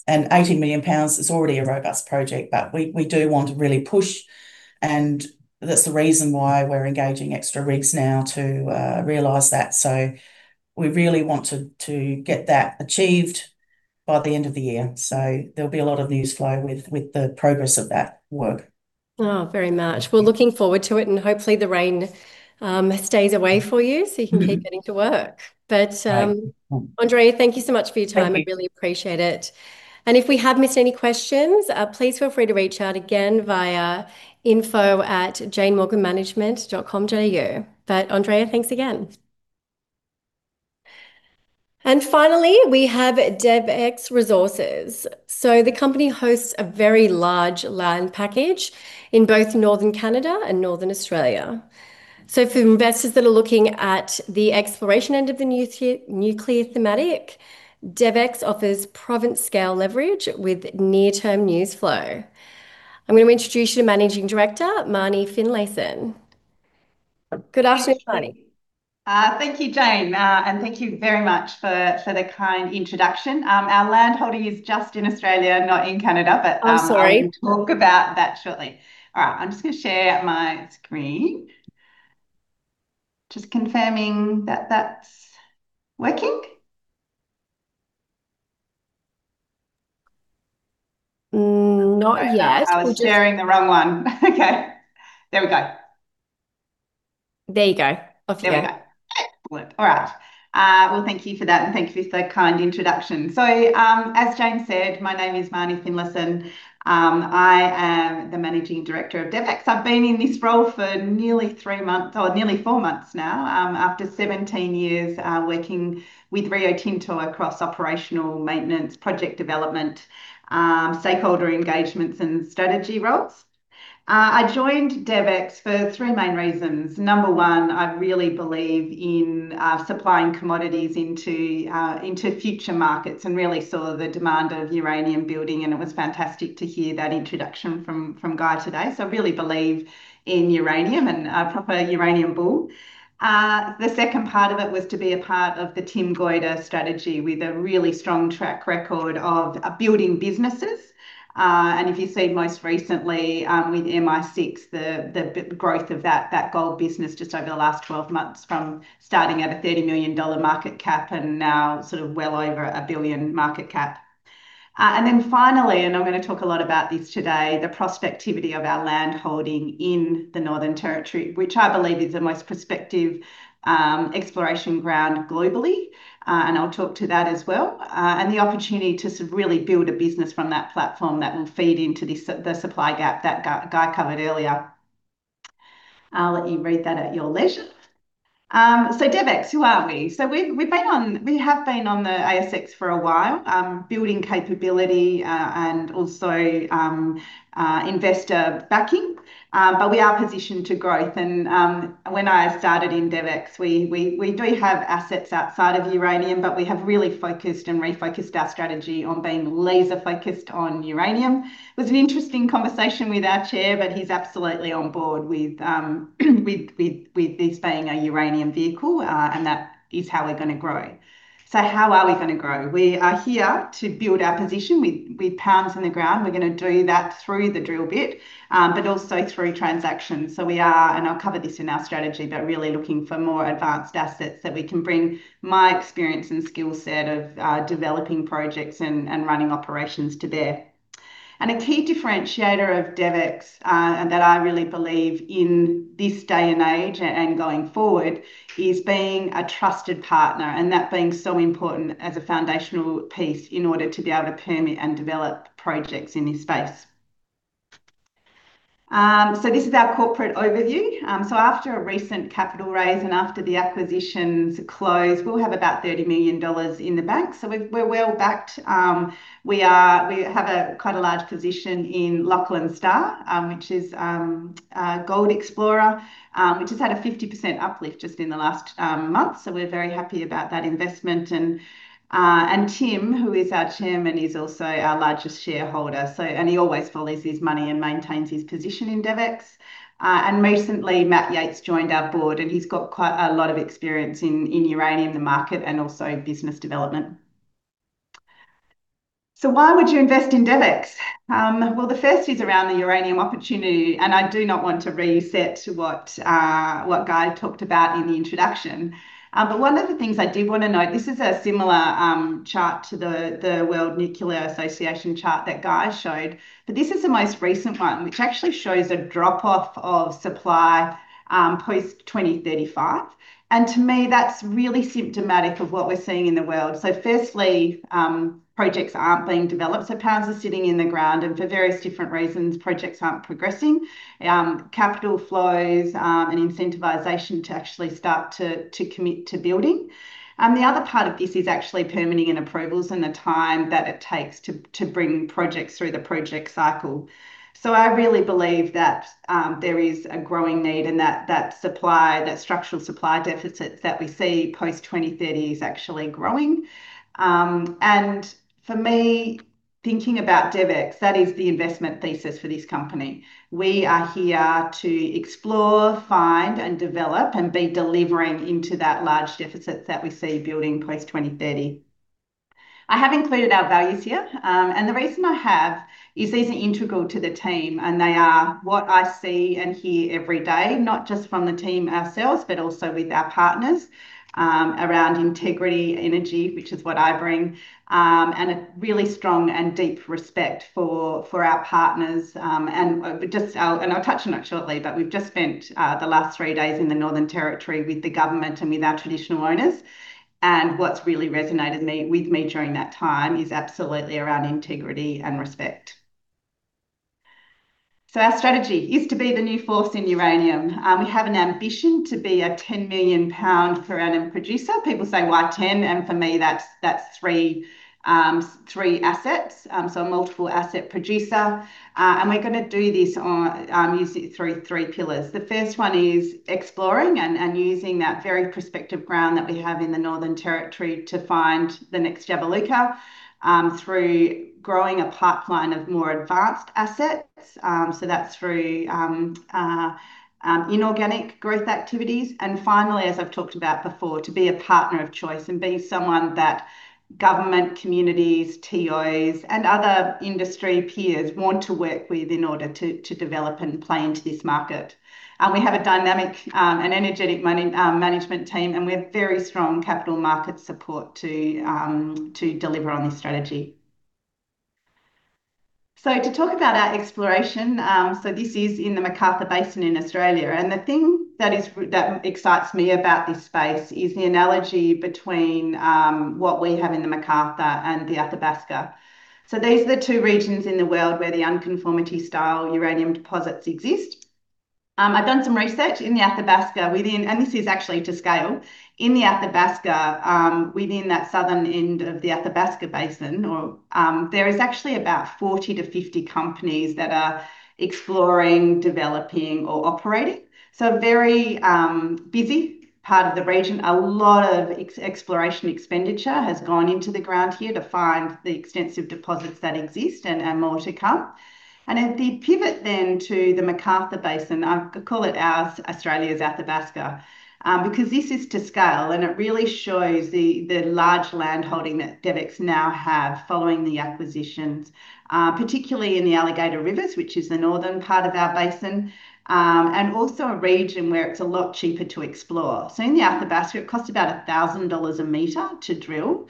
robust project. 80 million pounds is already a robust project, but we do want to really push, and that's the reason why we're engaging extra rigs now to realize that. We really want to get that achieved by the end of the year. There'll be a lot of news flow with the progress of that work. Oh, very much. We're looking forward to it, and hopefully the rain stays away for you so you can keep getting to work. Right Andrea, thank you so much for your time. Thank you. I really appreciate it. If we have missed any questions, please feel free to reach out again via info@janemorganmanagement.com.au. Andrea, thanks again. Finally, we have DevEx Resources. The company hosts a very large land package in both northern Canada and northern Australia. For investors that are looking at the exploration end of the new nuclear thematic, DevEx offers province-scale leverage with near-term news flow. I'm gonna introduce you to Managing Director Marnie Finlayson. Good afternoon, Marnie. Thank you, Jane. Thank you very much for the kind introduction. Our land holding is just in Australia, not in Canada, but Oh, sorry. I'll talk about that shortly. All right, I'm just gonna share my screen. Just confirming that that's working. Not yet. Okay. I was sharing the wrong one. Okay. There we go. There you go. Off you go. There we go. Excellent. All right. Well, thank you for that, and thank you for the kind introduction. As Jane said, my name is Marnie Finlayson. I am the Managing Director of DevEx. I've been in this role for nearly three months or nearly four months now, after 17 years working with Rio Tinto across operational maintenance, project development, stakeholder engagements, and strategy roles. I joined DevEx for three main reasons. Number one, I really believe in supplying commodities into future markets and really saw the demand of uranium building, and it was fantastic to hear that introduction from Guy today. I really believe in uranium and a proper uranium bull. The second part of it was to be a part of the Tim Goyder strategy with a really strong track record of building businesses. If you see most recently with MR 60, the growth of that gold business just over the last 12 months from starting at a 30 million dollar market cap and now sort of well over 1 billion market cap. Then finally, I'm gonna talk a lot about this today, the prospectivity of our land holding in the Northern Territory, which I believe is the most prospective exploration ground globally, and I'll talk to that as well, and the opportunity to sort of really build a business from that platform that will feed into this, the supply gap that Guy covered earlier. I'll let you read that at your leisure. DevEx, who are we? We have been on the ASX for a while, building capability, and also investor backing. We are positioned for growth and when I started in DevEx, we do have assets outside of uranium, but we have really focused and refocused our strategy on being laser-focused on uranium. It was an interesting conversation with our Chairman, but he's absolutely on board with this being a uranium vehicle, and that is how we're gonna grow. How are we gonna grow? We are here to build our position with pounds in the ground. We're gonna do that through the drill bit, but also through transactions. We are, and I'll cover this in our strategy, really looking for more advanced assets that we can bring my experience and skill set of developing projects and running operations to bear. A key differentiator of DevEx, and that I really believe in this day and age and going forward, is being a trusted partner, and that being so important as a foundational piece in order to be able to permit and develop projects in this space. This is our corporate overview. After a recent capital raise and after the acquisitions close, we'll have about 30 million dollars in the bank. We're well-backed. We have quite a large position in Lachlan Star, which is a gold explorer, which has had a 50% uplift just in the last month. We're very happy about that investment and Tim, who is our chairman, is also our largest shareholder. He always follows his money and maintains his position in DevEx. Recently, Matt Yates joined our board, and he's got quite a lot of experience in uranium, the market, and also business development. Why would you invest in DevEx? The first is around the uranium opportunity, and I do not want to reset what Guy talked about in the introduction. One of the things I did wanna note, this is a similar chart to the World Nuclear Association chart that Guy showed, but this is the most recent one, which actually shows a drop-off of supply post 2034. To me, that's really symptomatic of what we're seeing in the world. Firstly, projects aren't being developed, so pounds are sitting in the ground and for various different reasons, projects aren't progressing. Capital flows and incentivization to actually start to commit to building. The other part of this is actually permitting and approvals and the time that it takes to bring projects through the project cycle. I really believe that there is a growing need and that supply, that structural supply deficit that we see post-2030 is actually growing. For me, thinking about DevEx, that is the investment thesis for this company. We are here to explore, find, and develop and be delivering into that large deficit that we see building post-2030. I have included our values here. The reason I have is these are integral to the team, and they are what I see and hear every day, not just from the team ourselves, but also with our partners around integrity, energy, which is what I bring, and a really strong and deep respect for our partners. I'll touch on it shortly, but we've just spent the last three days in the Northern Territory with the government and with our traditional owners, and what's really resonated with me during that time is absolutely around integrity and respect. Our strategy is to be the new force in uranium. We have an ambition to be a 10-million pound per annum producer. People say, "Why 10?" For me, that's three assets. A multiple asset producer. We're gonna do this through three pillars. The first one is exploring and using that very prospective ground that we have in the Northern Territory to find the next Jabiluka through growing a pipeline of more advanced assets. That's through inorganic growth activities. Finally, as I've talked about before, to be a partner of choice and be someone that government, communities, TOs, and other industry peers want to work with in order to develop and play into this market. We have a dynamic and energetic management team, and we have very strong capital market support to deliver on this strategy. To talk about our exploration, this is in the McArthur Basin in Australia. The thing that excites me about this space is the analogy between what we have in the McArthur and the Athabasca. These are the two regions in the world where the unconformity-style uranium deposits exist. I've done some research in the Athabasca. This is actually to scale. In the Athabasca, within that Southern end of the Athabasca Basin, there is actually about 40-50 companies that are exploring, developing, or operating. A very busy part of the region. A lot of exploration expenditure has gone into the ground here to find the extensive deposits that exist and more to come. The pivot to the McArthur Basin, I call it our Australia's Athabasca, because this is to scale, and it really shows the large landholding that DevEx now have following the acquisitions, particularly in the Alligator Rivers, which is the northern part of our basin, and also a region where it's a lot cheaper to explore. In the Athabasca, it costs about $1,000 a meter to drill.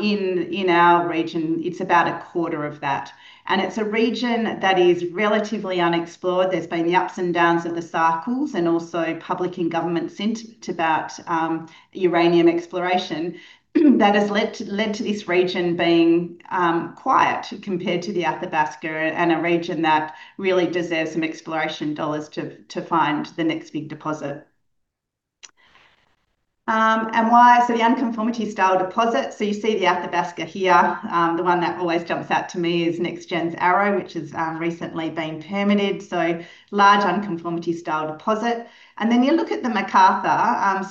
In our region, it's about a quarter of that, and it's a region that is relatively unexplored. There's been the ups and downs of the cycles and also public and government sentiment about uranium exploration that has led to this region being quiet compared to the Athabasca and a region that really deserves some exploration dollars to find the next big deposit. The unconformity-style deposit. You see the Athabasca here. The one that always jumps out to me is NexGen's Arrow, which has recently been permitted. Large unconformity-style deposit. Then you look at the McArthur.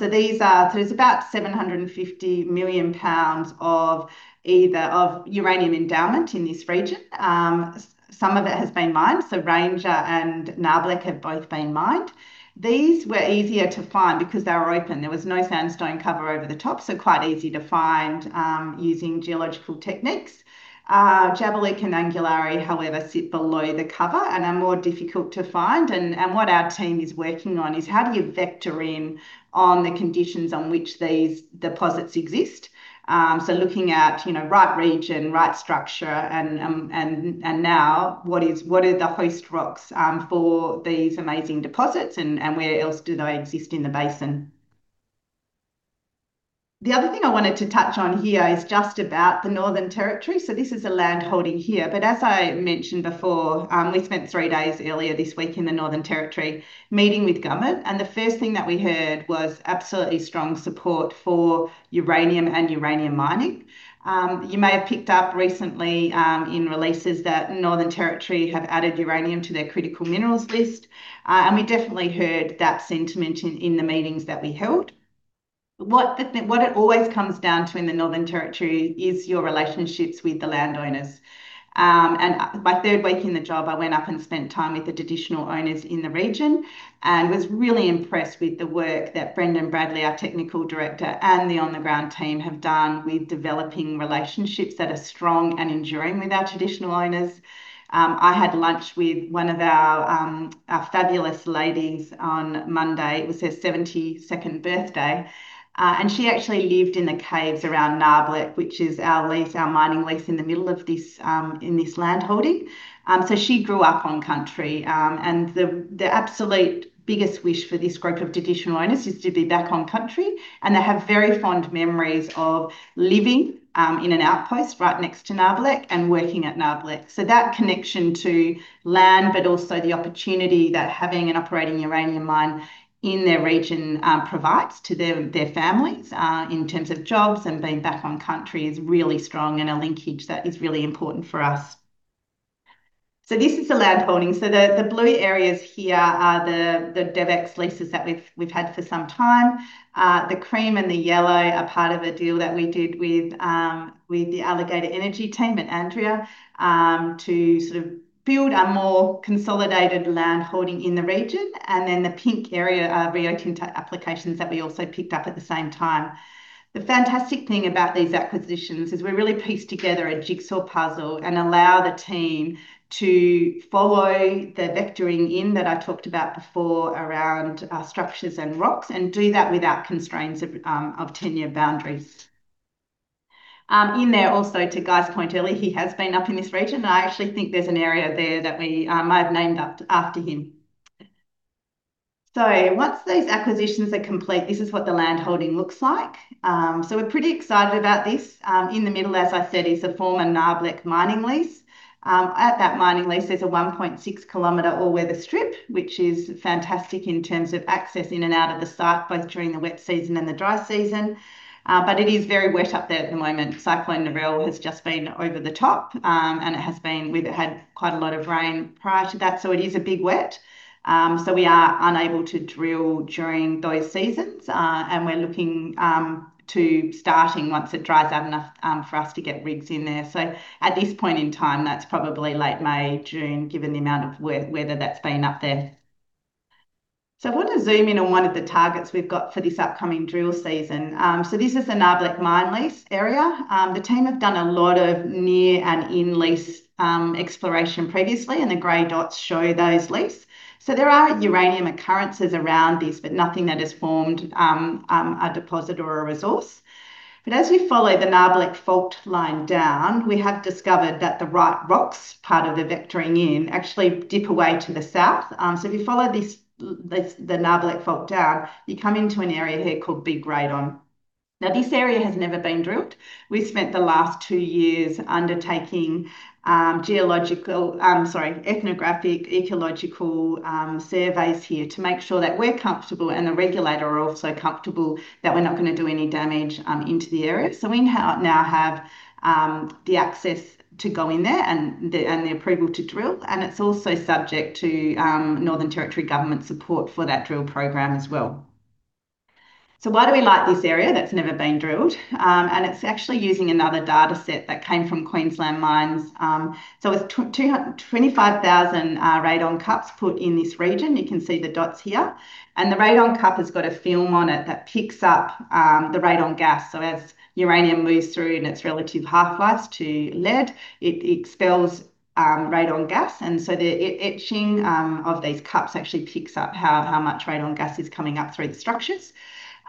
There's about 750 million pounds of uranium endowment in this region. Some of it has been mined, Ranger and Nabarlek have both been mined. These were easier to find because they were open. There was no sandstone cover over the top, so quite easy to find using geological techniques. Jabiluka and Angularli, however, sit below the cover and are more difficult to find. What our team is working on is how do you vector in on the conditions on which these deposits exist? Looking at, you know, right region, right structure, and now what is, what are the host rocks for these amazing deposits and where else do they exist in the basin? The other thing I wanted to touch on here is just about the Northern Territory. This is a land holding here. As I mentioned before, we spent three days earlier this week in the Northern Territory meeting with government, and the first thing that we heard was absolutely strong support for uranium and uranium mining. You may have picked up recently in releases that Northern Territory have added uranium to their critical minerals list, and we definitely heard that sentiment in the meetings that we held. What it always comes down to in the Northern Territory is your relationships with the landowners. My third week in the job, I went up and spent time with the Traditional Owners in the region and was really impressed with the work that Brendan Bradley, our technical director, and the on-the-ground team have done with developing relationships that are strong and enduring with our Traditional Owners. I had lunch with one of our fabulous ladies on Monday. It was her 72nd birthday. She actually lived in the caves around Nabarlek, which is our lease, our mining lease in the middle of this land holding. She grew up on country, and the absolute biggest wish for this group of Traditional Owners is to be back on country, and they have very fond memories of living in an outpost right next to Nabarlek and working at Nabarlek. That connection to land, but also the opportunity that having an operating uranium mine in their region provides to their families in terms of jobs and being back on country is really strong and a linkage that is really important for us. This is the land holding. The blue areas here are the DevEx leases that we've had for some time. The cream and the yellow are part of a deal that we did with the Alligator Energy team at Andrea to sort of build a more consolidated land holding in the region. The pink area are Rio Tinto applications that we also picked up at the same time. The fantastic thing about these acquisitions is we really pieced together a jigsaw puzzle and allow the team to follow the vectoring in that I talked about before around structures and rocks, and do that without constraints of tenure boundaries. In there also, to Guy's point earlier, he has been up in this region. I actually think there's an area there that we may have named after him. Once those acquisitions are complete, this is what the land holding looks like. We're pretty excited about this. In the middle, as I said, is a former Nabarlek mining lease. At that mining lease, there's a 1.6 km all-weather strip, which is fantastic in terms of access in and out of the site, both during the wet season and the dry season. It is very wet up there at the moment. Cyclone Narelle has just been over the top, and we've had quite a lot of rain prior to that. It is a big wet. We are unable to drill during those seasons, and we're looking to starting once it dries out enough for us to get rigs in there. At this point in time, that's probably late May, June, given the amount of weather that's been up there. I want to zoom in on one of the targets we've got for this upcoming drill season. This is the Nabarlek mine lease area. The team have done a lot of near and in-lease exploration previously, and the gray dots show those lease. There are uranium occurrences around this, but nothing that has formed a deposit or a resource. As we follow the Nabarlek fault line down, we have discovered that the right rocks part of the vectoring in actually dip away to the south. If you follow this, the Nabarlek fault down, you come into an area here called Big Radon. This area has never been drilled. We spent the last two years undertaking geological, ethnographic, ecological surveys here to make sure that we're comfortable and the regulator are also comfortable that we're not going to do any damage to the area. We now have the access to go in there and the approval to drill. It's also subject to Northern Territory government support for that drill program as well. Why do we like this area that's never been drilled? It's actually using another dataset that came from Queensland Mines. It's 25,000 radon cups put in this region. You can see the dots here. The radon cup has got a film on it that picks up the radon gas. As uranium moves through in its relative half-lives to lead, it expels radon gas. The etching of these cups actually picks up how much radon gas is coming up through the structures.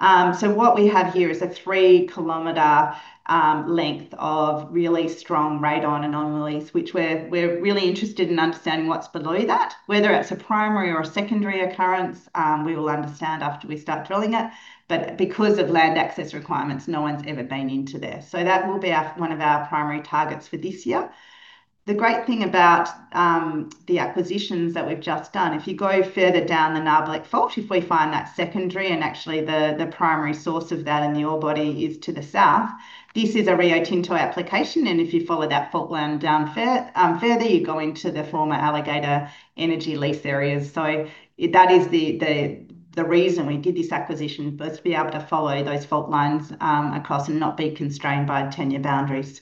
What we have here is a 3 km length of really strong radon anomalies, which we're really interested in understanding what's below that. Whether it's a primary or secondary occurrence, we will understand after we start drilling it. Because of land access requirements, no one's ever been into there. That will be one of our primary targets for this year. The great thing about the acquisitions that we've just done, if you go further down the Nabarlek fault, if we find that secondary and actually the primary source of that in the ore body is to the south, this is a Rio Tinto application, and if you follow that fault line down further, you go into the former Alligator Energy lease areas. That is the reason we did this acquisition, was to be able to follow those fault lines across and not be constrained by tenure boundaries.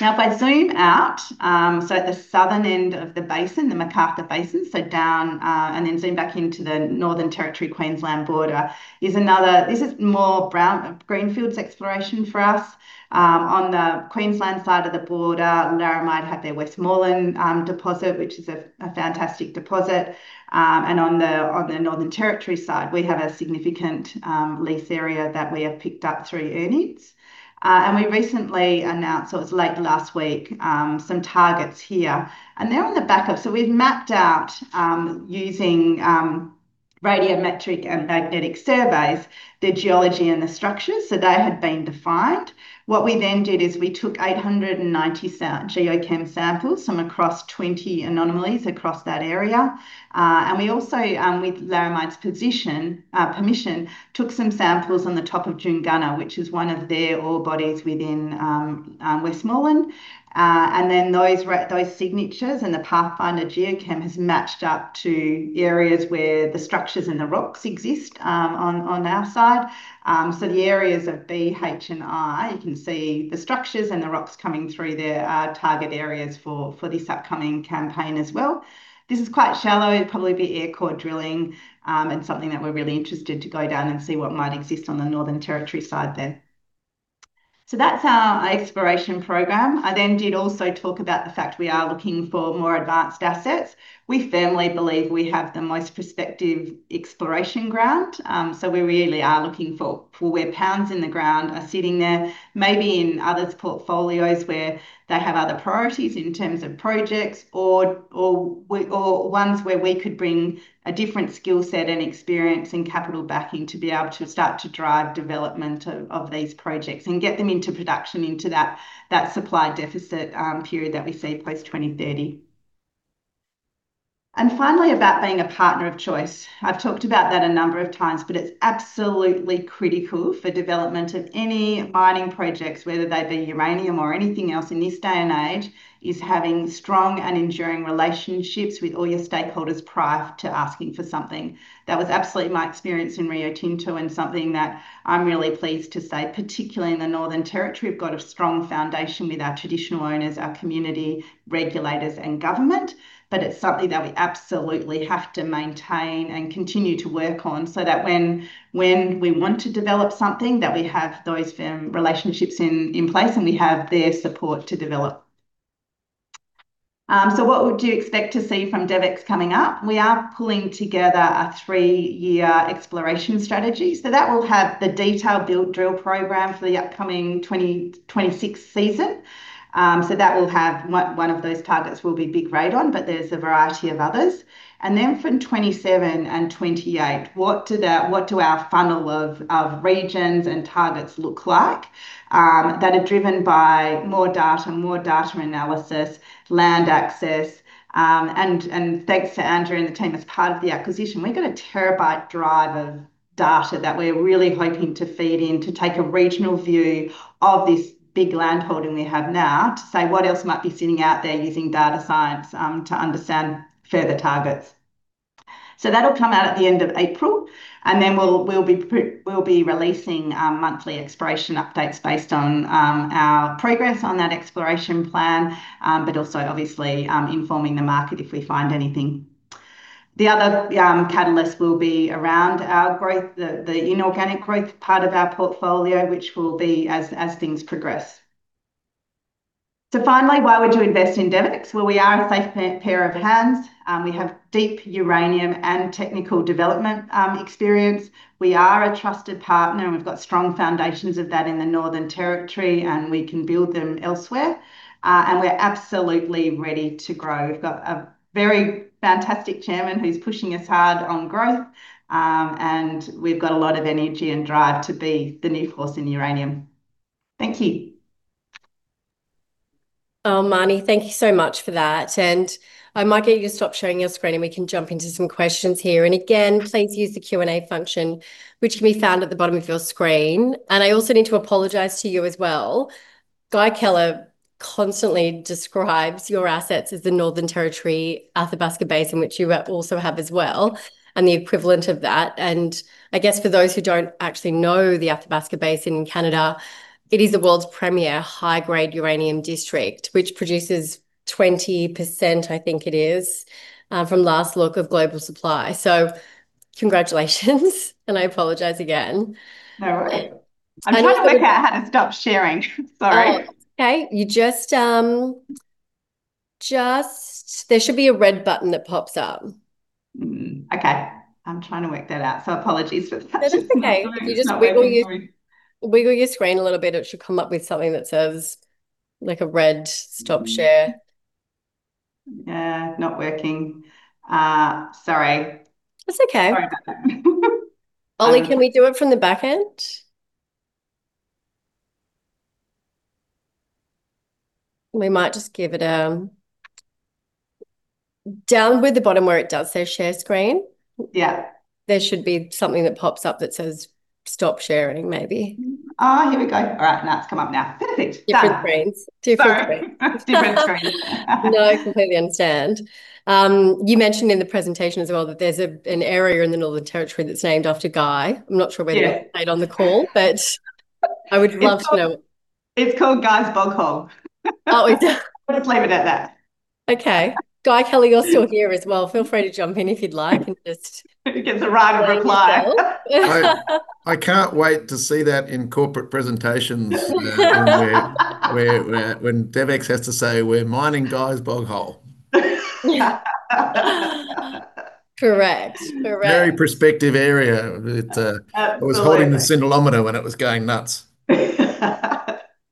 Now, if I zoom out, at the southern end of the basin, the McArthur Basin, down, and then zoom back into the Northern Territory-Queensland border is another. This is more greenfields exploration for us. On the Queensland side of the border, Laramide had their Westmoreland deposit, which is a fantastic deposit. On the Northern Territory side, we have a significant lease area that we have picked up through earn-ins. We recently announced, or it's late last week, some targets here, and they're on the back of. We've mapped out, using radiometric and magnetic surveys, the geology and the structures. They have been defined. What we then did is we took 890 soil geochem samples from across 20 anomalies across that area. We also, with Laramide's permission, took some samples on the top of Junnagunna, which is one of their ore bodies within Westmoreland. Those signatures and the pathfinder geochem has matched up to areas where the structures and the rocks exist, on our side. The areas of B, H, and I, you can see the structures and the rocks coming through there are target areas for this upcoming campaign as well. This is quite shallow. It'd probably be air core drilling, and something that we're really interested to go down and see what might exist on the Northern Territory side. That's our exploration program. I did also talk about the fact we are looking for more advanced assets. We firmly believe we have the most prospective exploration ground. We really are looking for where pounds in the ground are sitting there, maybe in others' portfolios where they have other priorities in terms of projects or ones where we could bring a different skill set and experience and capital backing to be able to start to drive development of these projects and get them into production into that supply deficit period that we see post-2030. Finally, about being a partner of choice. I've talked about that a number of times, but it's absolutely critical for development of any mining projects, whether they be uranium or anything else in this day and age, is having strong and enduring relationships with all your stakeholders prior to asking for something. That was absolutely my experience in Rio Tinto and something that I'm really pleased to say, particularly in the Northern Territory, we've got a strong foundation with our Traditional Owners, our community, regulators, and government. It's something that we absolutely have to maintain and continue to work on so that when we want to develop something, that we have those firm relationships in place, and we have their support to develop. What would you expect to see from DevEx coming up? We are pulling together a three-year exploration strategy. That will have the detailed build drill program for the upcoming 2026 season. One of those targets will be Big Radon, but there's a variety of others. And then for 2027 and 2028, what does our funnel of regions and targets look like that are driven by more data, more data analysis, land access, and thanks to Andrea and the team, as part of the acquisition, we've got a terabyte drive of data that we're really hoping to feed in to take a regional view of this big land holding we have now to say what else might be sitting out there using data science to understand further targets. That'll come out at the end of April, and we'll be releasing monthly exploration updates based on our progress on that exploration plan, but also obviously informing the market if we find anything. The other catalyst will be around our growth, the inorganic growth part of our portfolio, which will be as things progress. Finally, why would you invest in DevEx? Well, we are a safe pair of hands. We have deep uranium and technical development experience. We are a trusted partner, and we've got strong foundations of that in the Northern Territory, and we can build them elsewhere. We're absolutely ready to grow. We've got a very fantastic chairman who's pushing us hard on growth, and we've got a lot of energy and drive to be the new force in uranium. Thank you. Well, Marnie, thank you so much for that, and I might get you to stop sharing your screen, and we can jump into some questions here. Again, please use the Q&A function, which can be found at the bottom of your screen. I also need to apologize to you as well. Guy Keller constantly describes your assets as the Northern Territory Athabasca Basin, which you also have as well, and the equivalent of that. I guess for those who don't actually know the Athabasca Basin in Canada, it is the world's premier high-grade uranium district, which produces 20%, I think it is, from last look of global supply. Congratulations, and I apologize again. No worry. And if you- I'm trying to work out how to stop sharing. Sorry. All right. Okay. There should be a red button that pops up. Okay. I'm trying to work that out, so apologies for the silence. No, that's okay. While I work through. You just wiggle your screen a little bit. It should come up with something that says, like a red Stop Share. Not working. Sorry. That's okay. Sorry about that. Ollie, can we do it from the back end? Down where the bottom where it does say Share Screen. Yeah. There should be something that pops up that says Stop Sharing maybe. Here we go. All right, now it's come up now. Perfect. Done. Different screens. Sorry. No, I completely understand. You mentioned in the presentation as well that there's an area in the Northern Territory that's named after Guy. I'm not sure whether Yeah he's made on the call, but I would love to know. It's called Guy's Bog Hole. Oh, is it? We'll just leave it at that. Okay. Guy Keller, you're still here as well. Feel free to jump in if you'd like and just. He gets a right of reply. Reply as well. Yeah. I can't wait to see that in corporate presentations, when DevEx has to say, "We're mining Guy's Bog Hole." Yeah. Correct. Correct. Very prospective area. Absolutely It was holding the scintillometer when it was going nuts.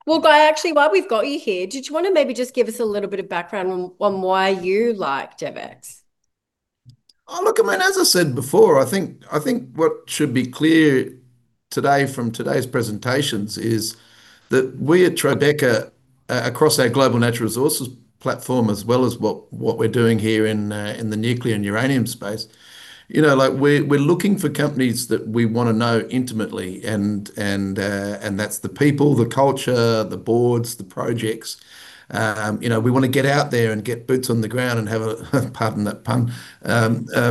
Well, Guy, actually, while we've got you here, did you wanna maybe just give us a little bit of background on why you like DevEx? Oh, look, I mean, as I said before, I think what should be clear today from today's presentations is that we at Tribeca, across our global natural resources platform as well as what we're doing here in the nuclear and uranium space, you know, like, we're looking for companies that we wanna know intimately, and that's the people, the culture, the boards, the projects. You know, we wanna get out there and get boots on the ground and pardon the pun,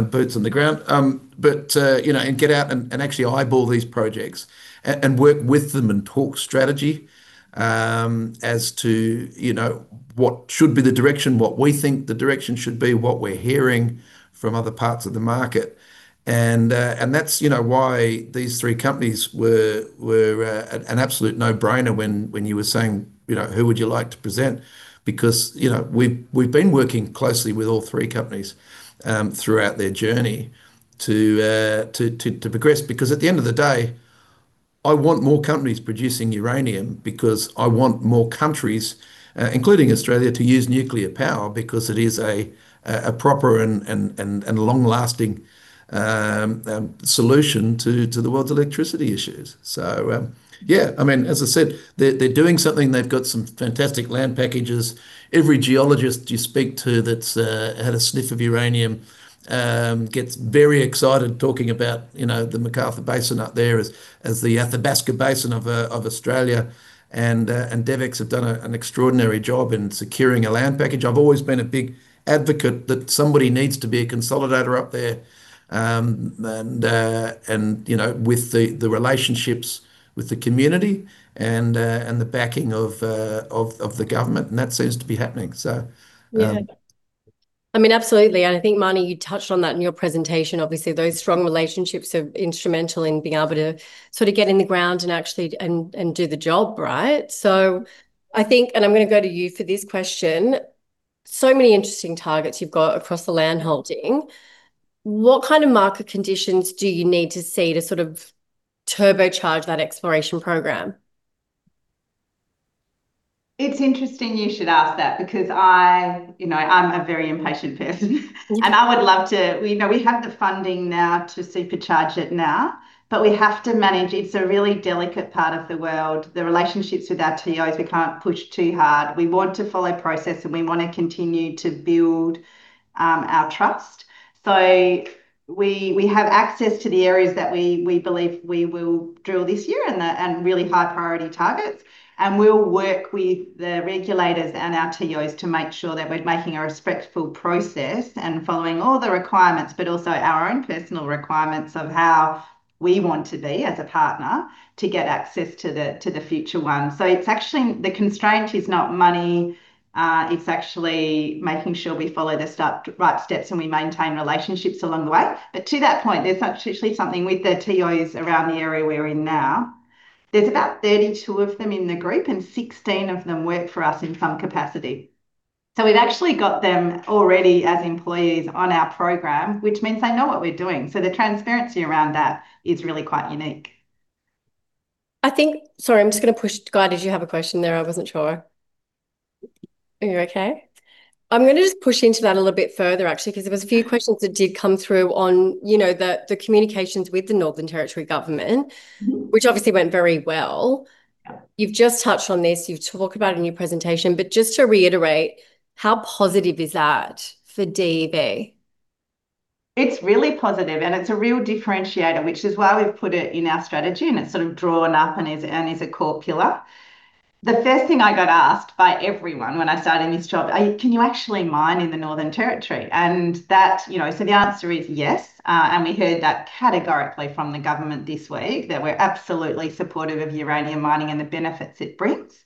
boots on the ground, and get out and actually eyeball these projects and work with them and talk strategy, as to, you know, what should be the direction, what we think the direction should be, what we're hearing from other parts of the market. That's you know why these three companies were an absolute no-brainer when you were saying, you know, "Who would you like to present?" You know we've been working closely with all three companies throughout their journey to progress. At the end of the day, I want more companies producing uranium because I want more countries, including Australia, to use nuclear power because it is a proper and long-lasting solution to the world's electricity issues. Yeah. I mean, as I said, they're doing something. They've got some fantastic land packages. Every geologist you speak to that's had a sniff of uranium gets very excited talking about, you know, the McArthur Basin up there as the Athabasca Basin of Australia. DevEx have done an extraordinary job in securing a land package. I've always been a big advocate that somebody needs to be a consolidator up there, you know, with the relationships with the community and the backing of the government, and that seems to be happening. Yeah, I mean, absolutely, and I think, Marnie, you touched on that in your presentation. Obviously, those strong relationships are instrumental in being able to sort of get in the ground and actually do the job, right? I think, and I'm gonna go to you for this question, so many interesting targets you've got across the land holding. What kind of market conditions do you need to see to sort of turbocharge that exploration program? It's interesting you should ask that because I, you know, I'm a very impatient person. Yeah. We, you know, we have the funding now to supercharge it now, but we have to manage. It's a really delicate part of the world. The relationships with our TOs, we can't push too hard. We want to follow process, and we want to continue to build our trust. We have access to the areas that we believe we will drill this year, and the really high priority targets, and we'll work with the regulators and our TOs to make sure that we're making a respectful process and following all the requirements, but also our own personal requirements of how we want to be as a partner to get access to the future one. It's actually the constraint is not money. It's actually making sure we follow the right steps, and we maintain relationships along the way. To that point, there's actually something with the TOs around the area we're in now. There's about 32 of them in the group, and 16 of them work for us in some capacity. We've actually got them already as employees on our program, which means they know what we're doing. The transparency around that is really quite unique. Sorry, I'm just gonna push. Guy, did you have a question there? I wasn't sure. Are you okay? I'm gonna just push into that a little bit further actually, because there was a few questions that did come through on, you know, the communications with the Northern Territory Government. Mm-hmm which obviously went very well. Yeah. You've just touched on this, you talk about it in your presentation, but just to reiterate, how positive is that for DEV? It's really positive, and it's a real differentiator, which is why we've put it in our strategy, and it's sort of drawn up and is a core pillar. The first thing I got asked by everyone when I started this job, "can you actually mine in the Northern Territory?" That, you know, the answer is yes, and we heard that categorically from the government this week, that we're absolutely supportive of uranium mining and the benefits it brings.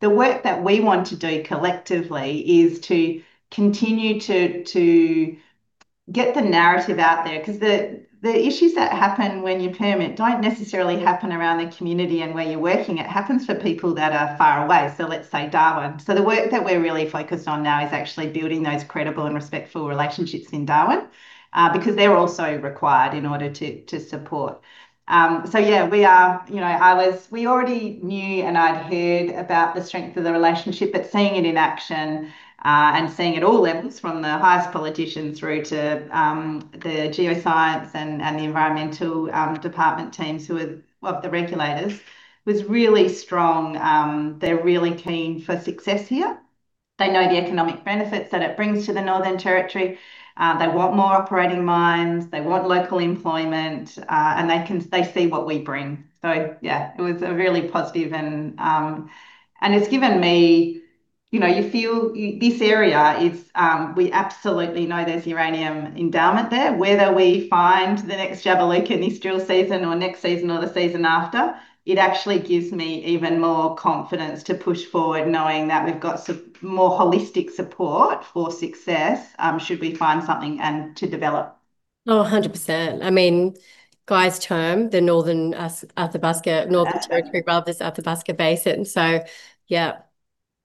The work that we want to do collectively is to continue to get the narrative out there, because the issues that happen when you permit don't necessarily happen around the community and where you're working. It happens for people that are far away, so let's say Darwin. The work that we're really focused on now is actually building those credible and respectful relationships in Darwin, because they're also required in order to support. We already knew, and I'd heard about the strength of the relationship, but seeing it in action, and seeing at all levels, from the highest politician through to the geoscience and the environmental department teams who are, well, the regulators, was really strong. They're really keen for success here. They know the economic benefits that it brings to the Northern Territory. They want more operating mines. They want local employment, and they see what we bring. It was a really positive, and it's given me... You know, you feel this area. We absolutely know there's uranium endowment there. Whether we find the next Jabiluka in this drill season or next season or the season after, it actually gives me even more confidence to push forward knowing that we've got some more holistic support for success, should we find something and to develop. Oh, 100%. I mean, Guy's term, the Northern, Athabasca. Yeah. Northern Territory, rather, is Athabasca Basin, so yeah.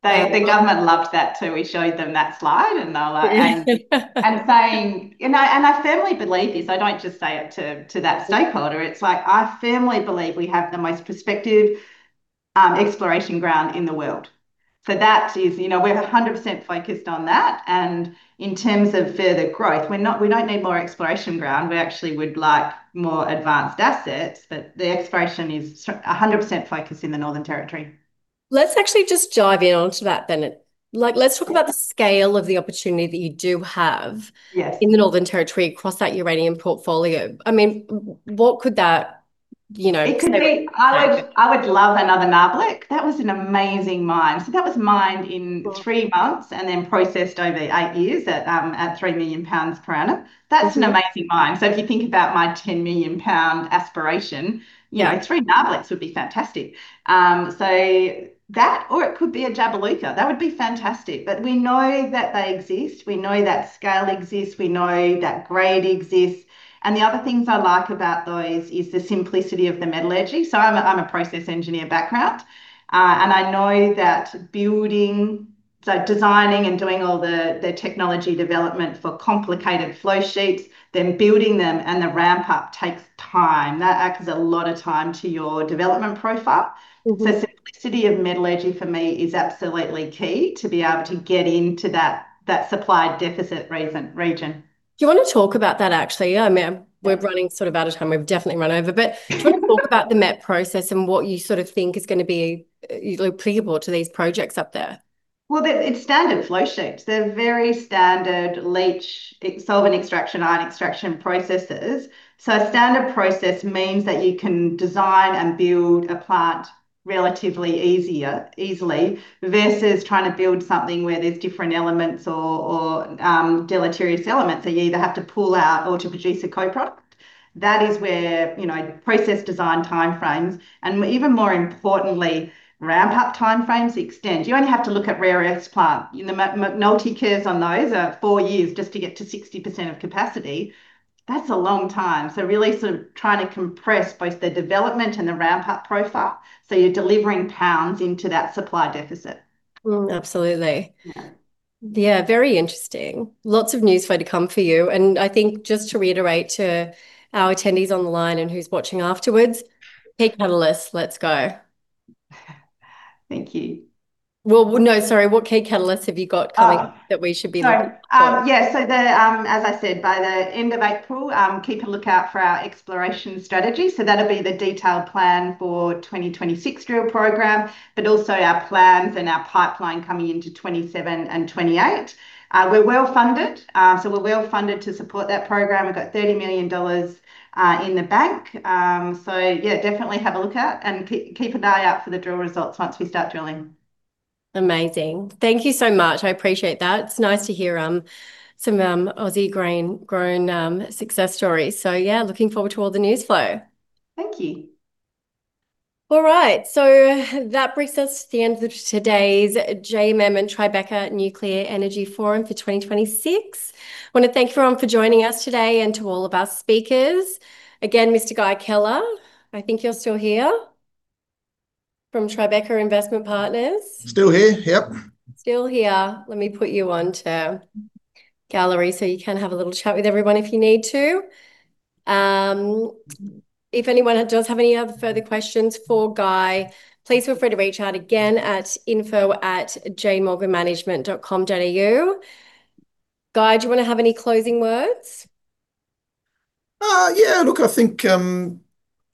The government loved that too. We showed them that slide, and they were like and saying. I firmly believe this. I don't just say it to that stakeholder. It's like I firmly believe we have the most prospective exploration ground in the world. That is. You know, we're 100% focused on that, and in terms of further growth, we're not, we don't need more exploration ground. We actually would like more advanced assets, but the exploration is 100% focused in the Northern Territory. Let's actually just dive in onto that then. Yes the scale of the opportunity that you do have. Yes In the Northern Territory across that uranium portfolio. I mean, what could that, you know, kind of It could be- happen? I would love another Nabarlek. That was an amazing mine. That was mined in three months and then processed over eight years at 3 million pounds per annum. Wow. That's an amazing mine. If you think about my 10 million pound aspiration, you know, three Nabarleks would be fantastic. That, or it could be a Jabiluka. That would be fantastic, but we know that they exist. We know that scale exists. We know that grade exists, and the other things I like about those is the simplicity of the metallurgy. I'm a process engineer background, and I know that designing and doing all the technology development for complicated flow sheets, then building them and the ramp-up takes time. That adds a lot of time to your development profile. Mm-hmm. Simplicity of metallurgy for me is absolutely key to be able to get into that supply deficit region. Do you want to talk about that, actually? I mean, we're running sort of out of time. We've definitely run over, but do you want to talk about the MET process and what you sort of think is gonna be applicable to these projects up there? It's standard flow sheets. They're very standard leach and ion exchange processes. A standard process means that you can design and build a plant relatively easily versus trying to build something where there's different elements or deleterious elements that you either have to pull out or to produce a co-product. That is where, you know, process design timeframes and, even more importantly, ramp-up timeframes extend. You only have to look at rare earths plant. You know, the ramp-up times on those are four years just to get to 60% of capacity. That's a long time. Really sort of trying to compress both the development and the ramp-up profile, so you're delivering pounds into that supply deficit. Absolutely. Yeah. Yeah, very interesting. Lots of newsflow to come for you. I think just to reiterate to our attendees on the line and who's watching afterwards, key catalysts, let's go. Thank you. Well, no, sorry. What key catalysts have you got coming? Oh... that we should be looking for? Sorry. Yeah, as I said, by the end of April, keep a lookout for our exploration strategy. That'll be the detailed plan for the 2026 drill program, but also our plans and our pipeline coming into 2027 and 2028. We're well-funded to support that program. We've got 30 million dollars in the bank. Yeah, definitely have a look at and keep an eye out for the drill results once we start drilling. Amazing. Thank you so much. I appreciate that. It's nice to hear some Aussie-grain-grown success stories. Yeah, looking forward to all the newsflow. Thank you. All right. That brings us to the end of today's JMM and Tribeca Nuclear Energy Forum for 2026. Wanna thank everyone for joining us today and to all of our speakers. Again, Mr. Guy Keller, I think you're still here, from Tribeca Investment Partners. Still here. Yep. Still here. Let me put you onto gallery so you can have a little chat with everyone if you need to. If anyone does have any other further questions for Guy, please feel free to reach out again at info@janemorganmanagement.com.au. Guy, do you wanna have any closing words? Yeah, look, I think,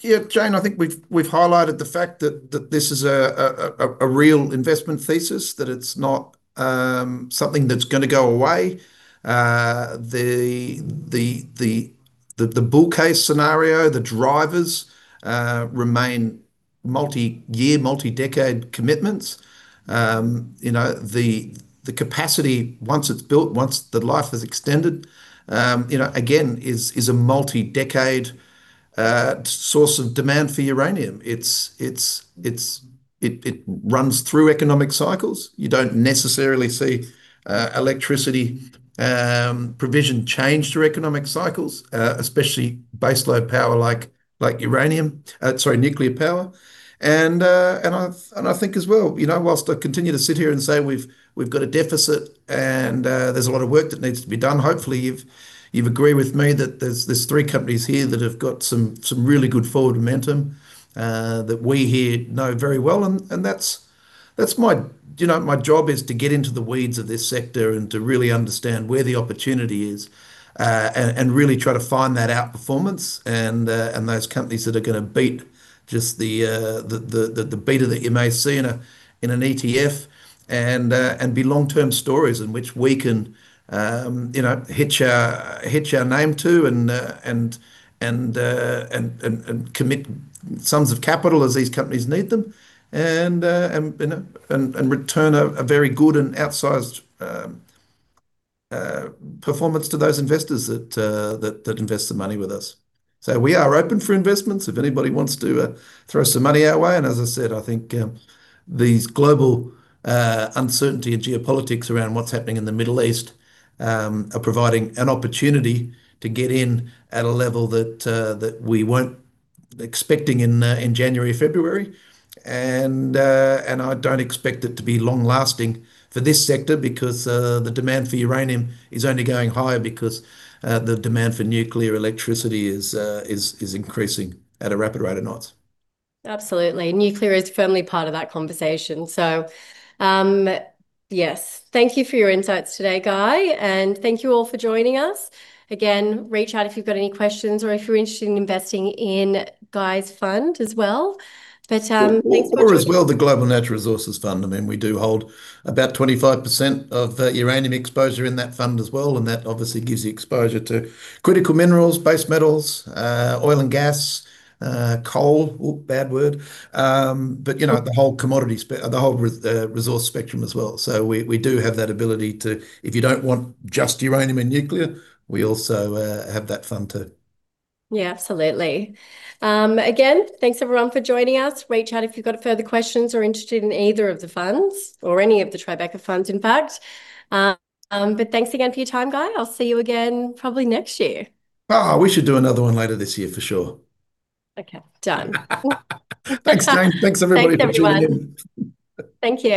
yeah, Jane, I think we've highlighted the fact that this is a real investment thesis, that it's not something that's gonna go away. The bull case scenario, the drivers remain multi-year, multi-decade commitments. You know, the capacity, once it's built, once the life is extended, you know, again, is a multi-decade source of demand for uranium. It runs through economic cycles. You don't necessarily see electricity provision change through economic cycles, especially baseload power like uranium, sorry, nuclear power. I think as well, you know, while I continue to sit here and say we've got a deficit and there's a lot of work that needs to be done, hopefully you've agreed with me that there's three companies here that have got some really good forward momentum that we here know very well. That's my... You know, my job is to get into the weeds of this sector and to really understand where the opportunity is, and really try to find that out-performance and those companies that are gonna beat just the beta that you may see in an ETF and be long-term stories in which we can, you know, hitch our name to and commit sums of capital as these companies need them and return a very good and outsized performance to those investors that invest their money with us. We are open for investments if anybody wants to throw some money our way. As I said, I think, these global uncertainty and geopolitics around what's happening in the Middle East are providing an opportunity to get in at a level that we weren't expecting in January, February. I don't expect it to be long-lasting for this sector because the demand for uranium is only going higher because the demand for nuclear electricity is increasing at a rapid rate of knots. Absolutely. Nuclear is firmly part of that conversation. Yes. Thank you for your insights today, Guy, and thank you all for joining us. Again, reach out if you've got any questions or if you're interested in investing in Guy's fund as well. Thanks so much for joining. The Global Natural Resources Fund. I mean, we do hold about 25% of uranium exposure in that fund as well, and that obviously gives you exposure to critical minerals, base metals, oil and gas, coal, oops, bad word. But, you know, the whole resource spectrum as well. We do have that ability to, if you don't want just uranium and nuclear, we also have that fund too. Yeah, absolutely. Again, thanks everyone for joining us. Reach out if you've got further questions or are interested in either of the funds or any of the Tribeca funds, in fact. Thanks again for your time, Guy. I'll see you again probably next year. Oh, we should do another one later this year for sure. Okay. Done. Thanks, Jane. Thanks everybody for joining. Thanks, everyone. Thank you.